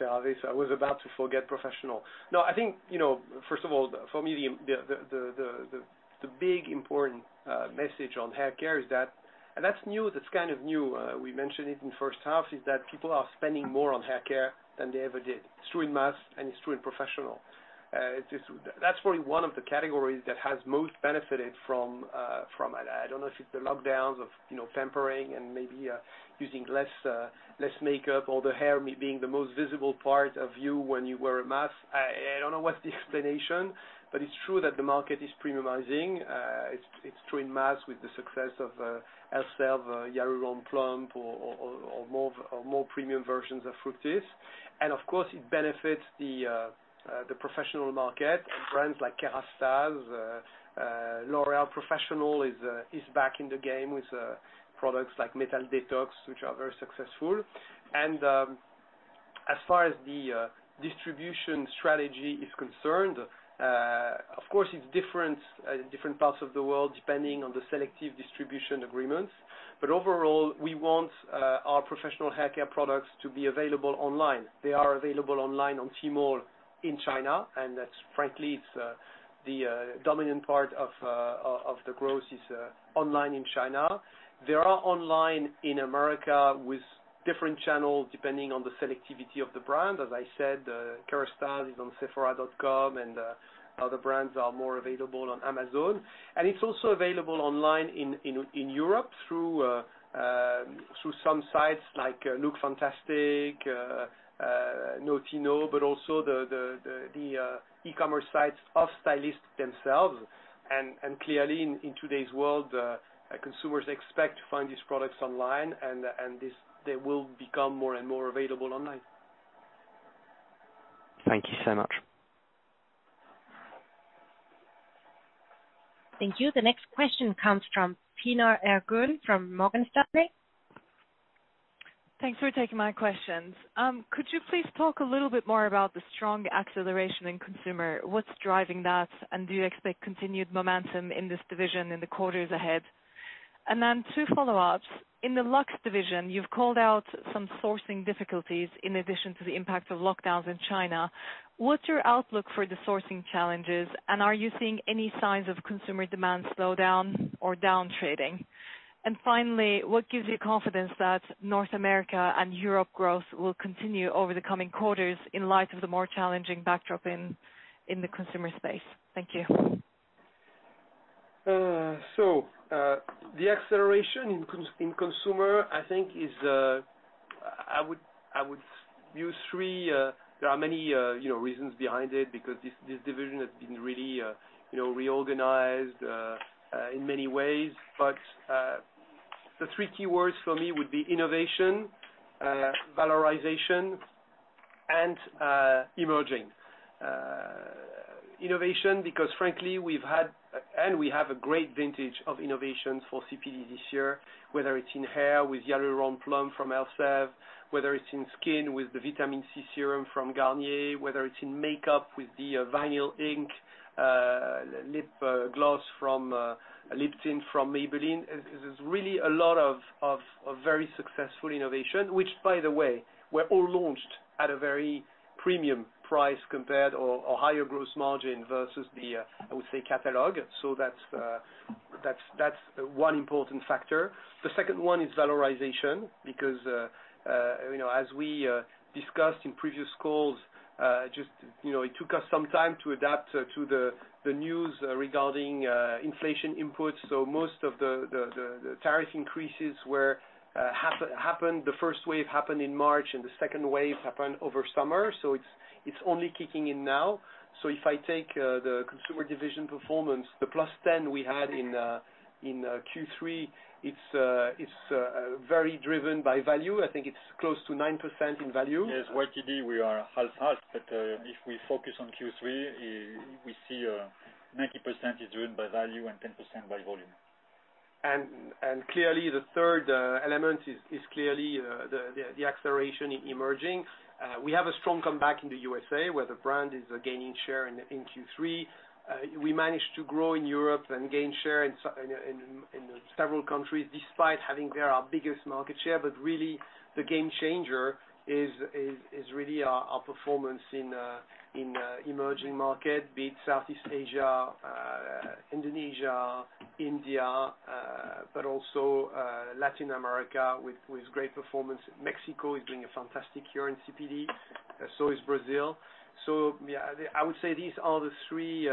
CeraVe, so I was about to forget Professional. No, I think, you know, first of all, for me, the big important message on haircare is that, and that's new, that's kind of new, we mentioned it in first half, is that people are spending more on haircare than they ever did. It's true in mass, and it's true in professional. That's probably one of the categories that has most benefited from I don't know if it's the lockdowns of, you know, tempering and maybe using less makeup, or the hair being the most visible part of you when you wear a mask. I don't know what's the explanation, but it's true that the market is premiumizing. It's true in mass with the success of Elvive, Hyaluron Plump or more premium versions of Fructis. Of course, it benefits the professional market. Brands like Kérastase, L'Oréal Professionnel is back in the game with products like Metal Detox, which are very successful. As far as the distribution strategy is concerned, of course it's different in different parts of the world depending on the selective distribution agreements. Overall, we want our professional haircare products to be available online. They are available online on Tmall in China, and that's frankly the dominant part of the growth is online in China. They are online in America with different channels, depending on the selectivity of the brand. As I said, Kérastase is on Sephora, and other brands are more available on Amazon. It's also available online in Europe through some sites like LOOKFANTASTIC, NOTINO, but also the e-commerce sites of stylists themselves. Clearly in today's world, consumers expect to find these products online, and this, they will become more and more available online. Thank you so much. Thank you. The next question comes from Pinar Ergun from Morgan Stanley. Thanks for taking my questions. Could you please talk a little bit more about the strong acceleration in consumer? What's driving that, and do you expect continued momentum in this division in the quarters ahead? Two follow-ups. In the Luxe Division, you've called out some sourcing difficulties in addition to the impact of lockdowns in China. What's your outlook for the sourcing challenges, and are you seeing any signs of consumer demand slowdown or down trading? Finally, what gives you confidence that North America and Europe growth will continue over the coming quarters in light of the more challenging backdrop in the consumer space? Thank you. The acceleration in consumer, I think, is. I would use three. There are many, you know, reasons behind it because this division has been really, you know, reorganized in many ways. The three keywords for me would be innovation, valorization, and emerging. Innovation, because frankly, we've had, and we have a great vintage of innovations for CPD this year, whether it's in hair with Hyaluron Plump from Elseve, whether it's in skin with the Vitamin C serum from Garnier, whether it's in makeup with the Vinyl Ink lip gloss from Maybelline. It is really a lot of very successful innovation, which by the way, were all launched at a very premium price compared or higher gross margin versus the, I would say, catalog. That's one important factor. The second one is valorization because, you know, as we discussed in previous calls, just, you know, it took us some time to adapt to the news regarding inflation inputs. Most of the tariff increases were happened. The first wave happened in March, and the second wave happened over summer. It's only kicking in now. If I take the consumer division performance, the +10 we had in Q3, it's very driven by value. I think it's close to 9% in value. Yes. YTD we are half. If we focus on Q3, we see 90% is driven by value and 10% by volume. Clearly the third element is clearly the acceleration in emerging. We have a strong comeback in the USA, where the brand is gaining share in Q3. We managed to grow in Europe and gain share in several countries despite having there our biggest market share. Really the game changer is really our performance in emerging market, be it Southeast Asia, Indonesia, India, but also Latin America with great performance. Mexico is doing a fantastic year in CPD, so is Brazil. Yeah, I would say these are the three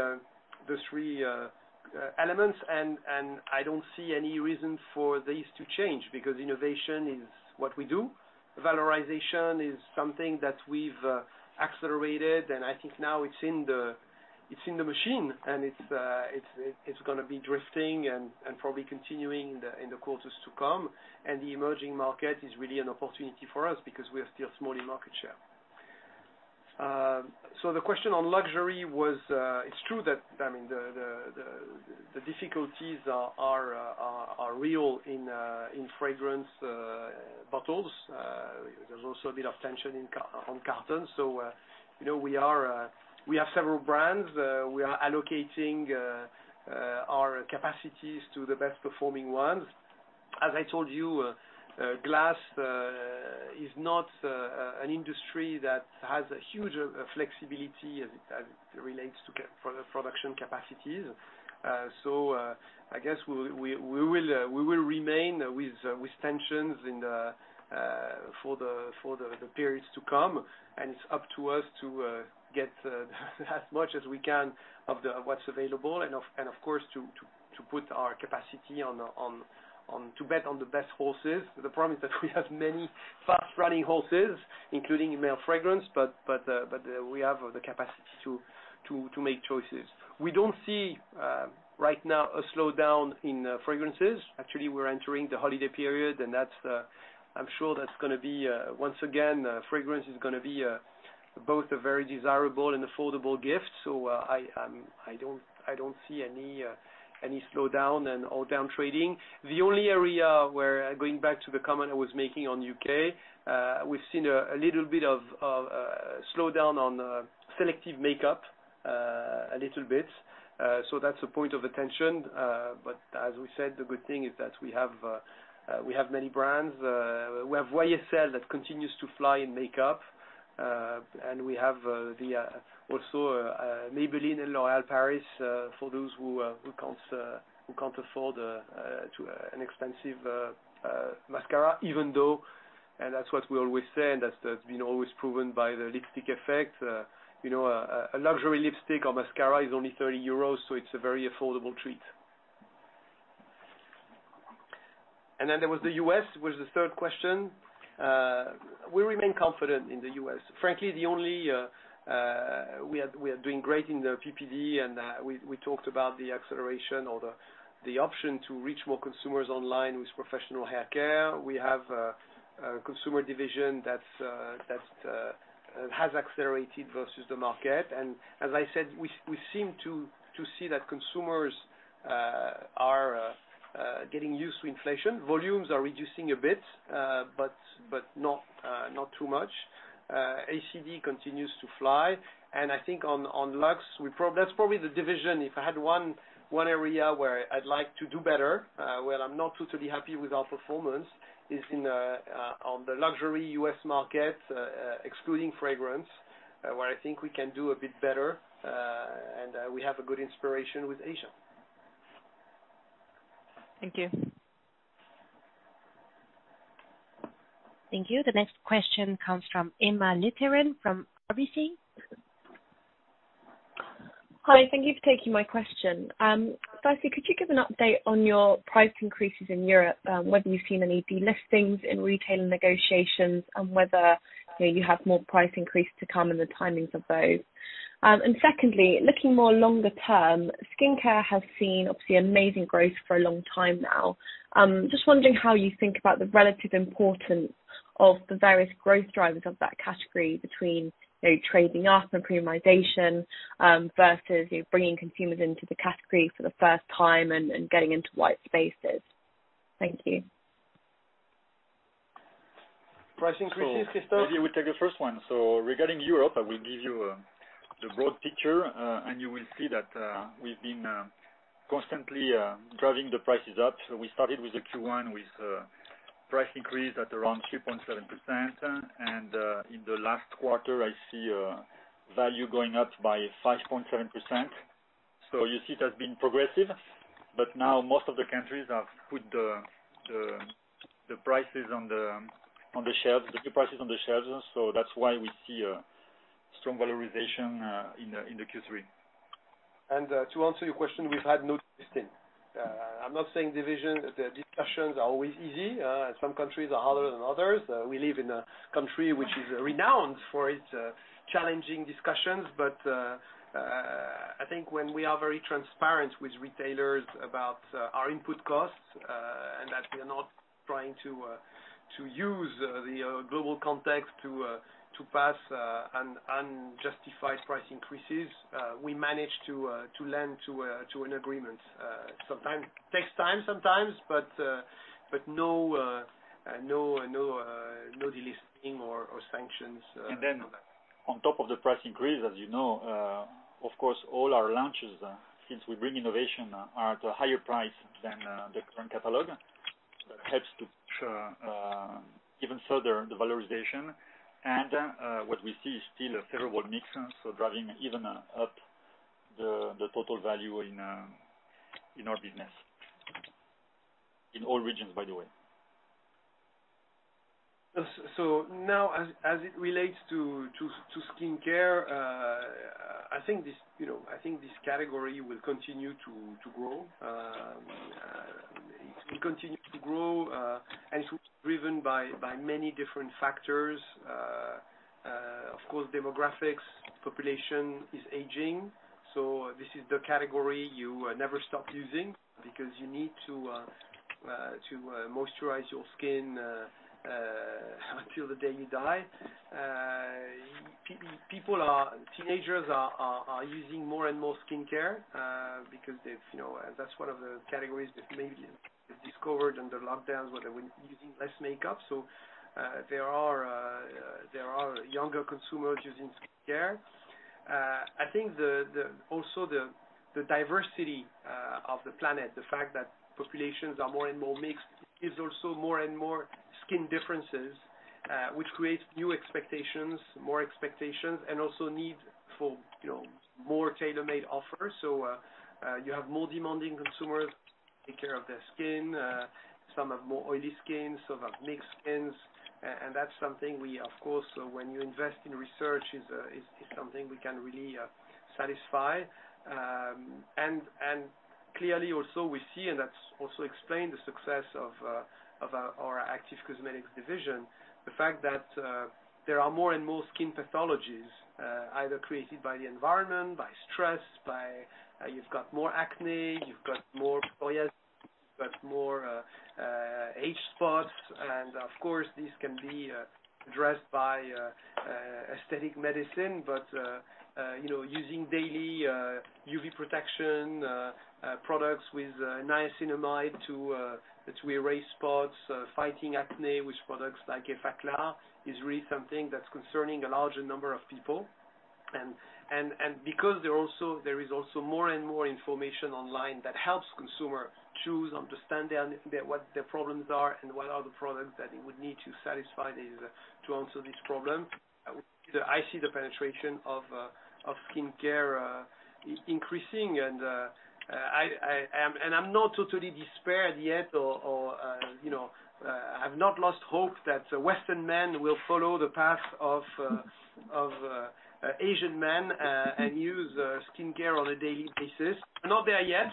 elements. I don't see any reason for this to change because innovation is what we do. Valorization is something that we've accelerated, and I think now it's in the machine, and it's gonna be drifting and probably continuing in the quarters to come. The emerging market is really an opportunity for us because we are still small in market share. So the question on luxury was, it's true that, I mean, the difficulties are real in fragrance bottles. There's also a bit of tension in carton. So, you know, we have several brands. We are allocating our capacities to the best performing ones. As I told you, glass is not an industry that has a huge flexibility as it relates to production capacities. I guess we will remain with tensions in the forex for the periods to come. It's up to us to get as much as we can of what's available and, of course, to put our capacity on to bet on the best horses. The problem is that we have many fast running horses, including in male fragrance, but we have the capacity to make choices. We don't see right now a slowdown in fragrances. Actually, we're entering the holiday period, and that's, I'm sure that's gonna be once again, fragrance is gonna be both a very desirable and affordable gift. I don't see any slowdown or down trading. The only area where going back to the comment I was making on U.K., we've seen a little bit of slowdown on selective makeup, a little bit. That's a point of attention. As we said, the good thing is that we have many brands. We have YSL that continues to fly in makeup, and we have also Maybelline and L'Oréal Paris, for those who can't afford an expensive mascara, even though and that's what we always say, and that's been always proven by the lipstick effect. You know, a luxury lipstick or mascara is only 30 euros, so it's a very affordable treat. There was the U.S., was the third question. We remain confident in the U.S. Frankly, we are doing great in the PPD, and we talked about the acceleration or the option to reach more consumers online with professional haircare. We have a consumer division that has accelerated versus the market. As I said, we seem to see that consumers are getting used to inflation. Volumes are reducing a bit, but not too much. ACD continues to fly. I think on Luxe, that's probably the division if I had one area where I'd like to do better, where I'm not totally happy with our performance is on the luxury U.S. market, excluding fragrance, where I think we can do a bit better, and we have a good inspiration with Asia. Thank you. Thank you. The next question comes from Emma Litherland from RBC. Hi, thank you for taking my question. Firstly, could you give an update on your price increases in Europe, whether you've seen any delistings in retail negotiations and whether, you know, you have more price increases to come and the timings of those? And secondly, looking more longer term, skincare has seen obviously amazing growth for a long time now. Just wondering how you think about the relative importance of the various growth drivers of that category between, you know, trading up and premiumization, versus, you know, bringing consumers into the category for the first time and getting into white spaces. Thank you. Price increases, Christophe? Maybe we take the first one. Regarding Europe, I will give you the broad picture, and you will see that we've been constantly driving the prices up. We started with the Q1 with price increase at around 2.7%. In the last quarter, I see value going up by 5.7%. You see it has been progressive, but now most of the countries have put the prices on the shelves, so that's why we see a strong valorization in the Q3. To answer your question, we've had no delisting. I'm not saying decisions are always easy. Some countries are harder than others. We live in a country which is renowned for its challenging discussions. I think when we are very transparent with retailers about our input costs and that we are not trying to use the global context to pass unjustified price increases, we manage to lead to an agreement. Sometimes it takes time, but no delisting or sanctions. On top of the price increase, as you know, of course, all our launches since we bring innovation are at a higher price than the current catalog. That helps to even so the valorization. What we see is still a favorable mix, so driving even up the total value in our business. In all regions, by the way. Now as it relates to skincare, I think this, you know, I think this category will continue to grow. It will continue to grow, and it will be driven by many different factors. Of course, demographics, population is aging, so this is the category you never stop using because you need to moisturize your skin until the day you die. Teenagers are using more and more skincare because they've, you know, that's one of the categories that maybe is discovered under lockdowns where they were using less makeup. There are younger consumers using skincare. I think the diversity of the planet, the fact that populations are more and more mixed, gives also more and more skin differences, which creates new expectations, more expectations, and also need for, you know, more tailor-made offers. You have more demanding consumers take care of their skin. Some have more oily skin, some have mixed skins. That's something we of course, when you invest in research is, something we can really satisfy. Clearly also we see, and that's also explained the success of our Active Cosmetics division, the fact that there are more and more skin pathologies, either created by the environment, by stress. You've got more acne, you've got more oil, you've got more age spots. Of course, these can be addressed by aesthetic medicine. You know, using daily UV protection products with niacinamide to erase spots, fighting acne with products like Effaclar is really something that's concerning a larger number of people. Because there is also more and more information online that helps consumers choose, understand their what their problems are and what are the products that it would need to satisfy these to answer this problem. I see the penetration of skincare increasing and I'm not totally despairing yet or you know, I've not lost hope that Western men will follow the path of Asian men and use skincare on a daily basis. I'm not there yet.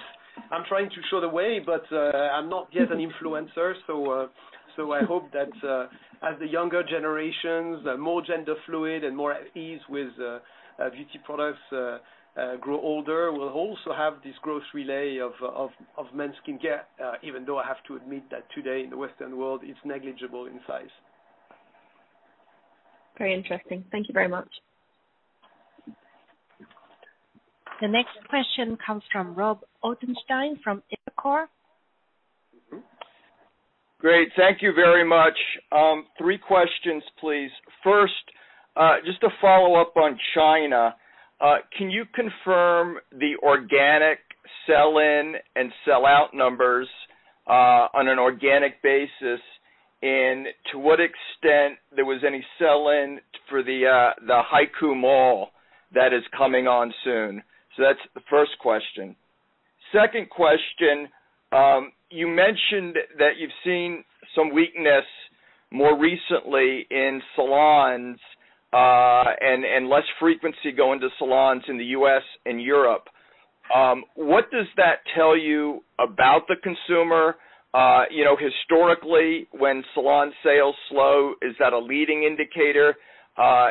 I'm trying to show the way, but I'm not yet an influencer. So I hope that as the younger generations are more gender fluid and more at ease with beauty products grow older, we'll also have this growth relay of men's skincare, even though I have to admit that today in the Western world, it's negligible in size. Very interesting. Thank you very much. The next question comes from Robert Ottenstein from Evercore. Great. Thank you very much. Three questions, please. First, just to follow up on China, can you confirm the organic sell-in and sell-out numbers, on an organic basis? And to what extent there was any sell-in for the Haikou Mall that is coming on soon? That's the first question. Second question, you mentioned that you've seen some weakness more recently in salons, and less frequency going to salons in the US and Europe. What does that tell you about the consumer? You know, historically, when salon sales slow, is that a leading indicator?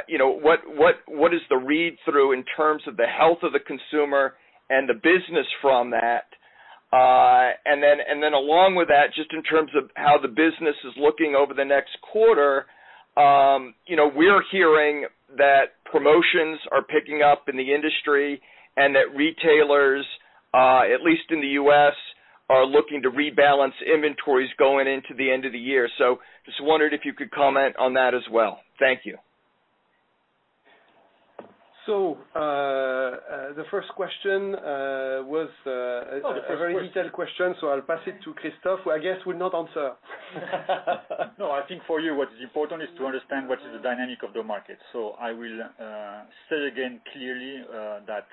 You know, what is the read-through in terms of the health of the consumer and the business from that? Along with that, just in terms of how the business is looking over the next quarter, you know, we're hearing that promotions are picking up in the industry and that retailers, at least in the U.S., are looking to rebalance inventories going into the end of the year. Just wondered if you could comment on that as well. Thank you. The first question was a very detailed question, so I'll pass it to Christophe, who I guess will not answer. No, I think for you, what is important is to understand what is the dynamic of the market. I will say again, clearly, that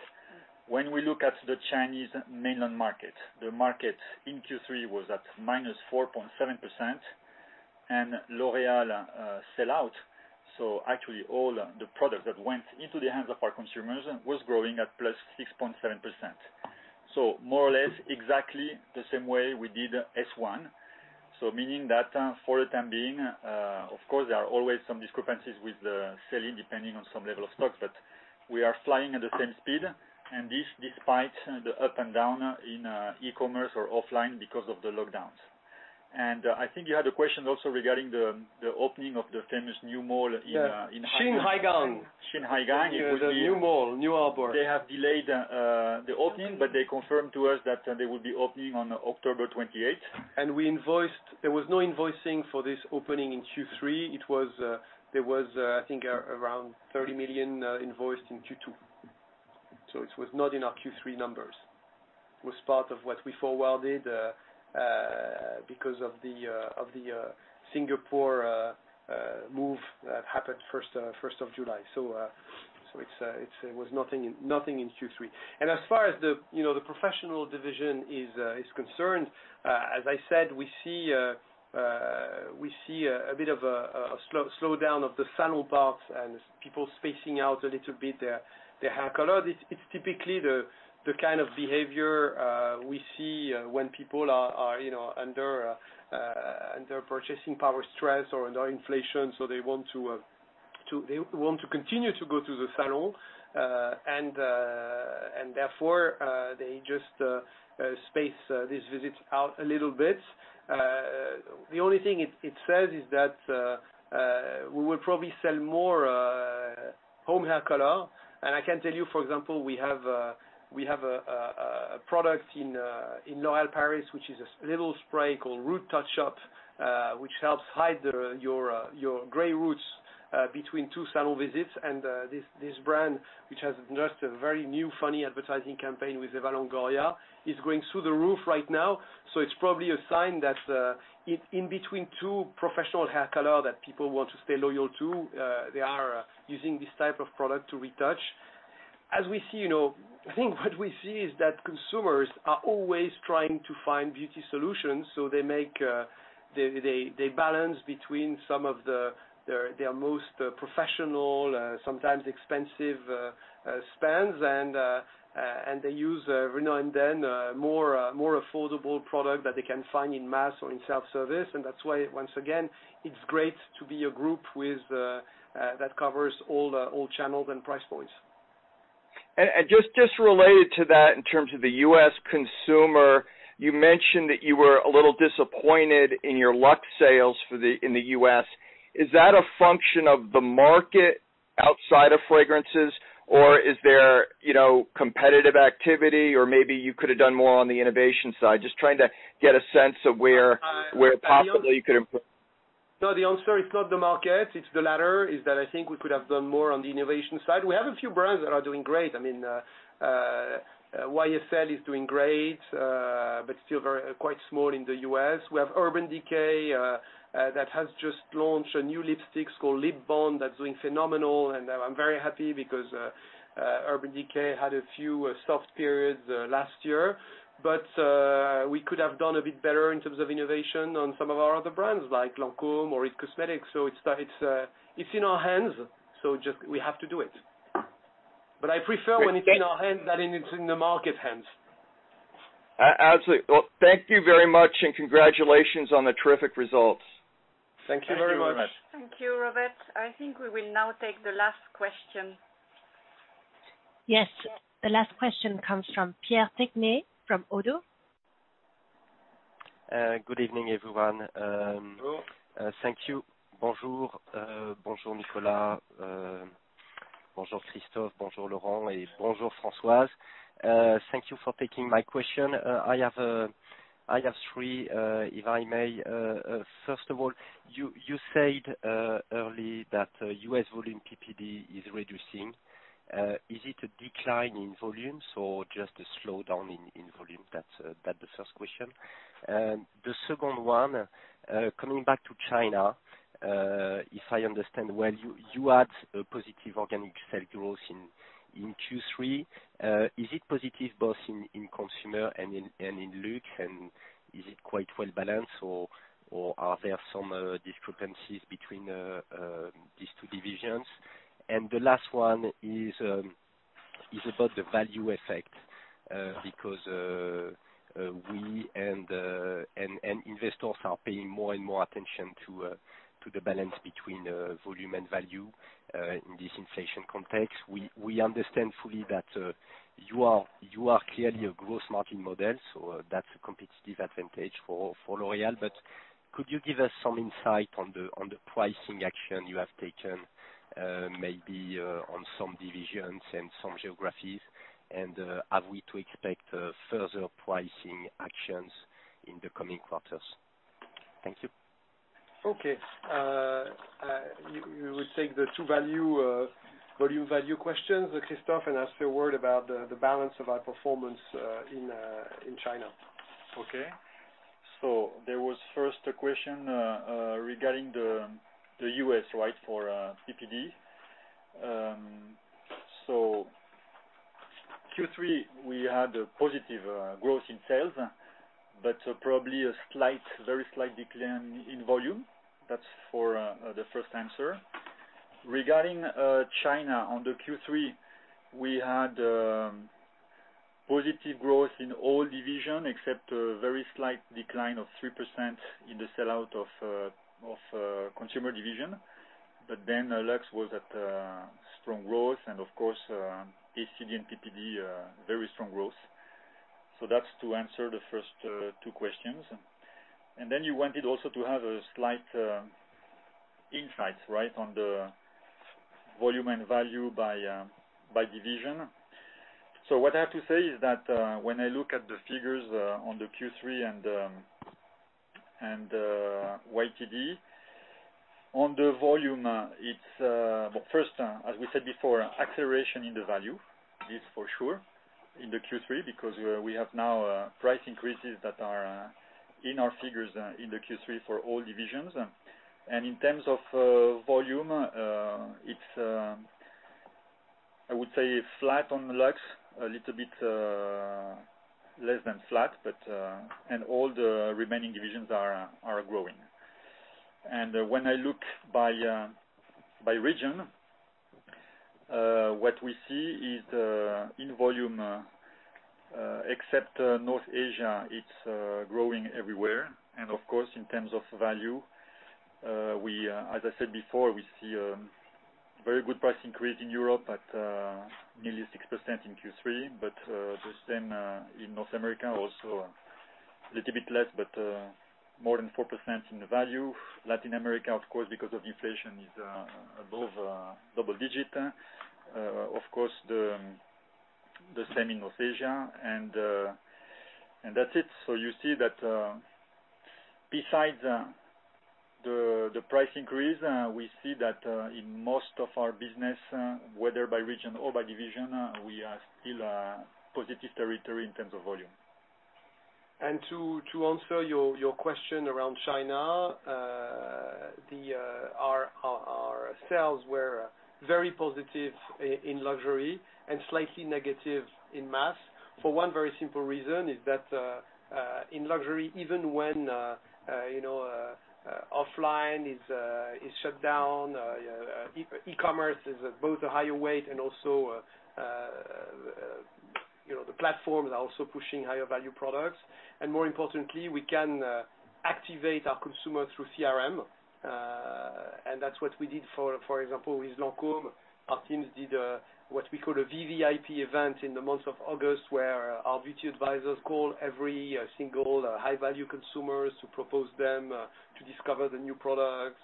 when we look at the Chinese mainland market, the market in Q3 was at -4.7% and L'Oréal sell-out. Actually all the product that went into the hands of our consumers was growing at +6.7%. More or less exactly the same way we did in S1. Meaning that, for the time being, of course, there are always some discrepancies with the sell-in depending on some level of stocks, but we are flying at the same speed. This despite the up and down in e-commerce or offline because of the lockdowns. I think you had a question also regarding the opening of the famous new mall in Xinghai Gang. Xinghai Gang. It was a new mall, new harbor. They have delayed the opening, but they confirmed to us that they will be opening on October twenty-eighth. There was no invoicing for this opening in Q3. I think it was around 30 million invoiced in Q2. It was not in our Q3 numbers. It was part of what we had forecast because of the Singapore move that happened first of July. It was nothing in Q3. As far as, you know, the Professional Division is concerned, as I said, we see a bit of a slowdown of the salon traffic and people spacing out a little bit their hair color. This is typically the kind of behavior we see when people are, you know, under purchasing power stress or under inflation, so they want to continue to go to the salon and therefore they just space these visits out a little bit. The only thing it says is that we will probably sell more home hair color. I can tell you, for example, we have a product in L'Oréal Paris, which is this little spray called Root Touch Up, which helps hide your gray roots between two salon visits. This brand, which has just a very new funny advertising campaign with Eva Longoria, is going through the roof right now. It's probably a sign that in between two professional hair color that people want to stay loyal to, they are using this type of product to retouch. As we see, you know, I think what we see is that consumers are always trying to find beauty solutions, so they balance between their most professional, sometimes expensive spends, and they use every now and then more affordable product that they can find in mass or in self-service. That's why, once again, it's great to be a group that covers all channels and price points. Just related to that in terms of the U.S. consumer, you mentioned that you were a little disappointed in your Luxe sales in the U.S. Is that a function of the market outside of fragrances, or is there, you know, competitive activity, or maybe you could have done more on the innovation side? Just trying to get a sense of where possibly you could improve. No, the answer is not the market, it's the latter, is that I think we could have done more on the innovation side. We have a few brands that are doing great. I mean, YSL is doing great, but still quite small in the U.S. We have Urban Decay that has just launched a new lipsticks called Lip Bond that's doing phenomenal. I'm very happy because Urban Decay had a few soft periods last year. We could have done a bit better in terms of innovation on some of our other brands like Lancôme or IT Cosmetics. So it's in our hands, so just we have to do it. I prefer when it's in our hands than it's in the market hands. Absolutely. Well, thank you very much, and congratulations on the terrific results. Thank you very much. Thank you, Robert. I think we will now take the last question. Yes. The last question comes from Pierre Tegnér from ODDO. Good evening, everyone. Hello. Thank you. Bonjour, Nicolas. Bonjour, Christophe. Bonjour, Laurent, et bonjour, Françoise. Thank you for taking my question. I have three, if I may. First of all, you said earlier that U.S. volume PPD is reducing. Is it a decline in volumes or just a slowdown in volume? That's the first question. The second one, coming back to China, if I understand well, you had a positive organic sales growth in Q3. Is it positive both in consumer and in lux, and is it quite well-balanced or are there some discrepancies between these two divisions? The last one is about the value effect, because we and the investors are paying more and more attention to the balance between volume and value in this inflation context. We understand fully that you are clearly a gross margin model, so that's a competitive advantage for L'Oréal. Could you give us some insight on the pricing action you have taken, maybe on some divisions and some geographies? Are we to expect further pricing actions in the coming quarters? Thank you. Okay. You will take the two value, volume value questions with Christophe and ask a word about the balance of our performance in China. Okay. There was first a question regarding the U.S., right? For PPD. Q3, we had a positive growth in sales, but probably a slight, very slight decline in volume. That's for the first answer. Regarding China, on the Q3, we had positive growth in all division except a very slight decline of 3% in the sell-out of consumer division. Luxe was at strong growth and of course, ACD and PPD, very strong growth. That's to answer the first two questions. You wanted also to have a slight insight, right? On the volume and value by division. What I have to say is that when I look at the figures on the Q3 and YTD on the volume, it's. Well, first, as we said before, acceleration in the value is for sure in the Q3 because we have now price increases that are in our figures in the Q3 for all divisions. In terms of volume, it's, I would say, flat on Luxe, a little bit less than flat, but all the remaining divisions are growing. When I look by region, what we see is in volume, except North Asia, it's growing everywhere. Of course, in terms of value, we, as I said before, we see very good price increase in Europe at nearly 6% in Q3. The same in North America, also a little bit less but more than 4% in the value. Latin America, of course, because of inflation, is above double-digit. Of course, the same in North Asia. And that's it. You see that, besides the price increase, we see that in most of our business, whether by region or by division, we are still in positive territory in terms of volume. To answer your question around China, our sales were very positive in luxury and slightly negative in mass for one very simple reason is that in luxury even when you know offline is shut down, e-commerce is both a higher weight and also you know the platform is also pushing higher value products. More importantly, we can activate our consumer through CRM. And that's what we did for example with Lancôme. Our teams did what we call a VVIP event in the month of August where our beauty advisors call every single high-value consumers to propose them to discover the new products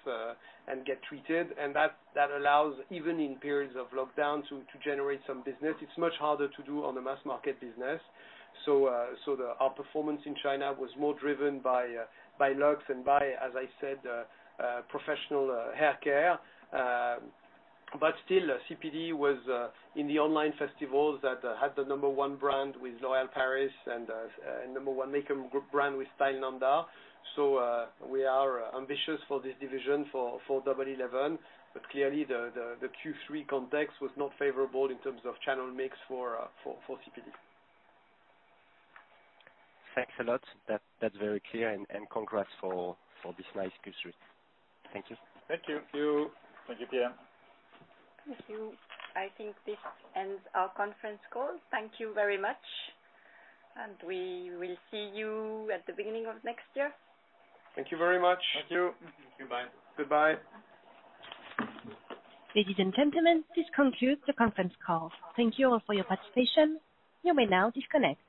and get treated. That allows even in periods of lockdown to generate some business. It's much harder to do on the mass market business. Our performance in China was more driven by Luxe and by, as I said, professional hair care. Still, CPD was in the online festivals that had the number one brand with L'Oréal Paris and number one makeup brand with Stylenanda. We are ambitious for this division for Double Eleven. Clearly the Q3 context was not favorable in terms of channel mix for CPD. Thanks a lot. That's very clear and congrats for this nice Q3. Thank you. Thank you. Thank you. Thank you, Pierre. Thank you. I think this ends our conference call. Thank you very much and we will see you at the beginning of next year. Thank you very much. Thank you. Thank you. Bye. Goodbye. Ladies and gentlemen, this concludes the conference call. Thank you all for your participation. You may now disconnect.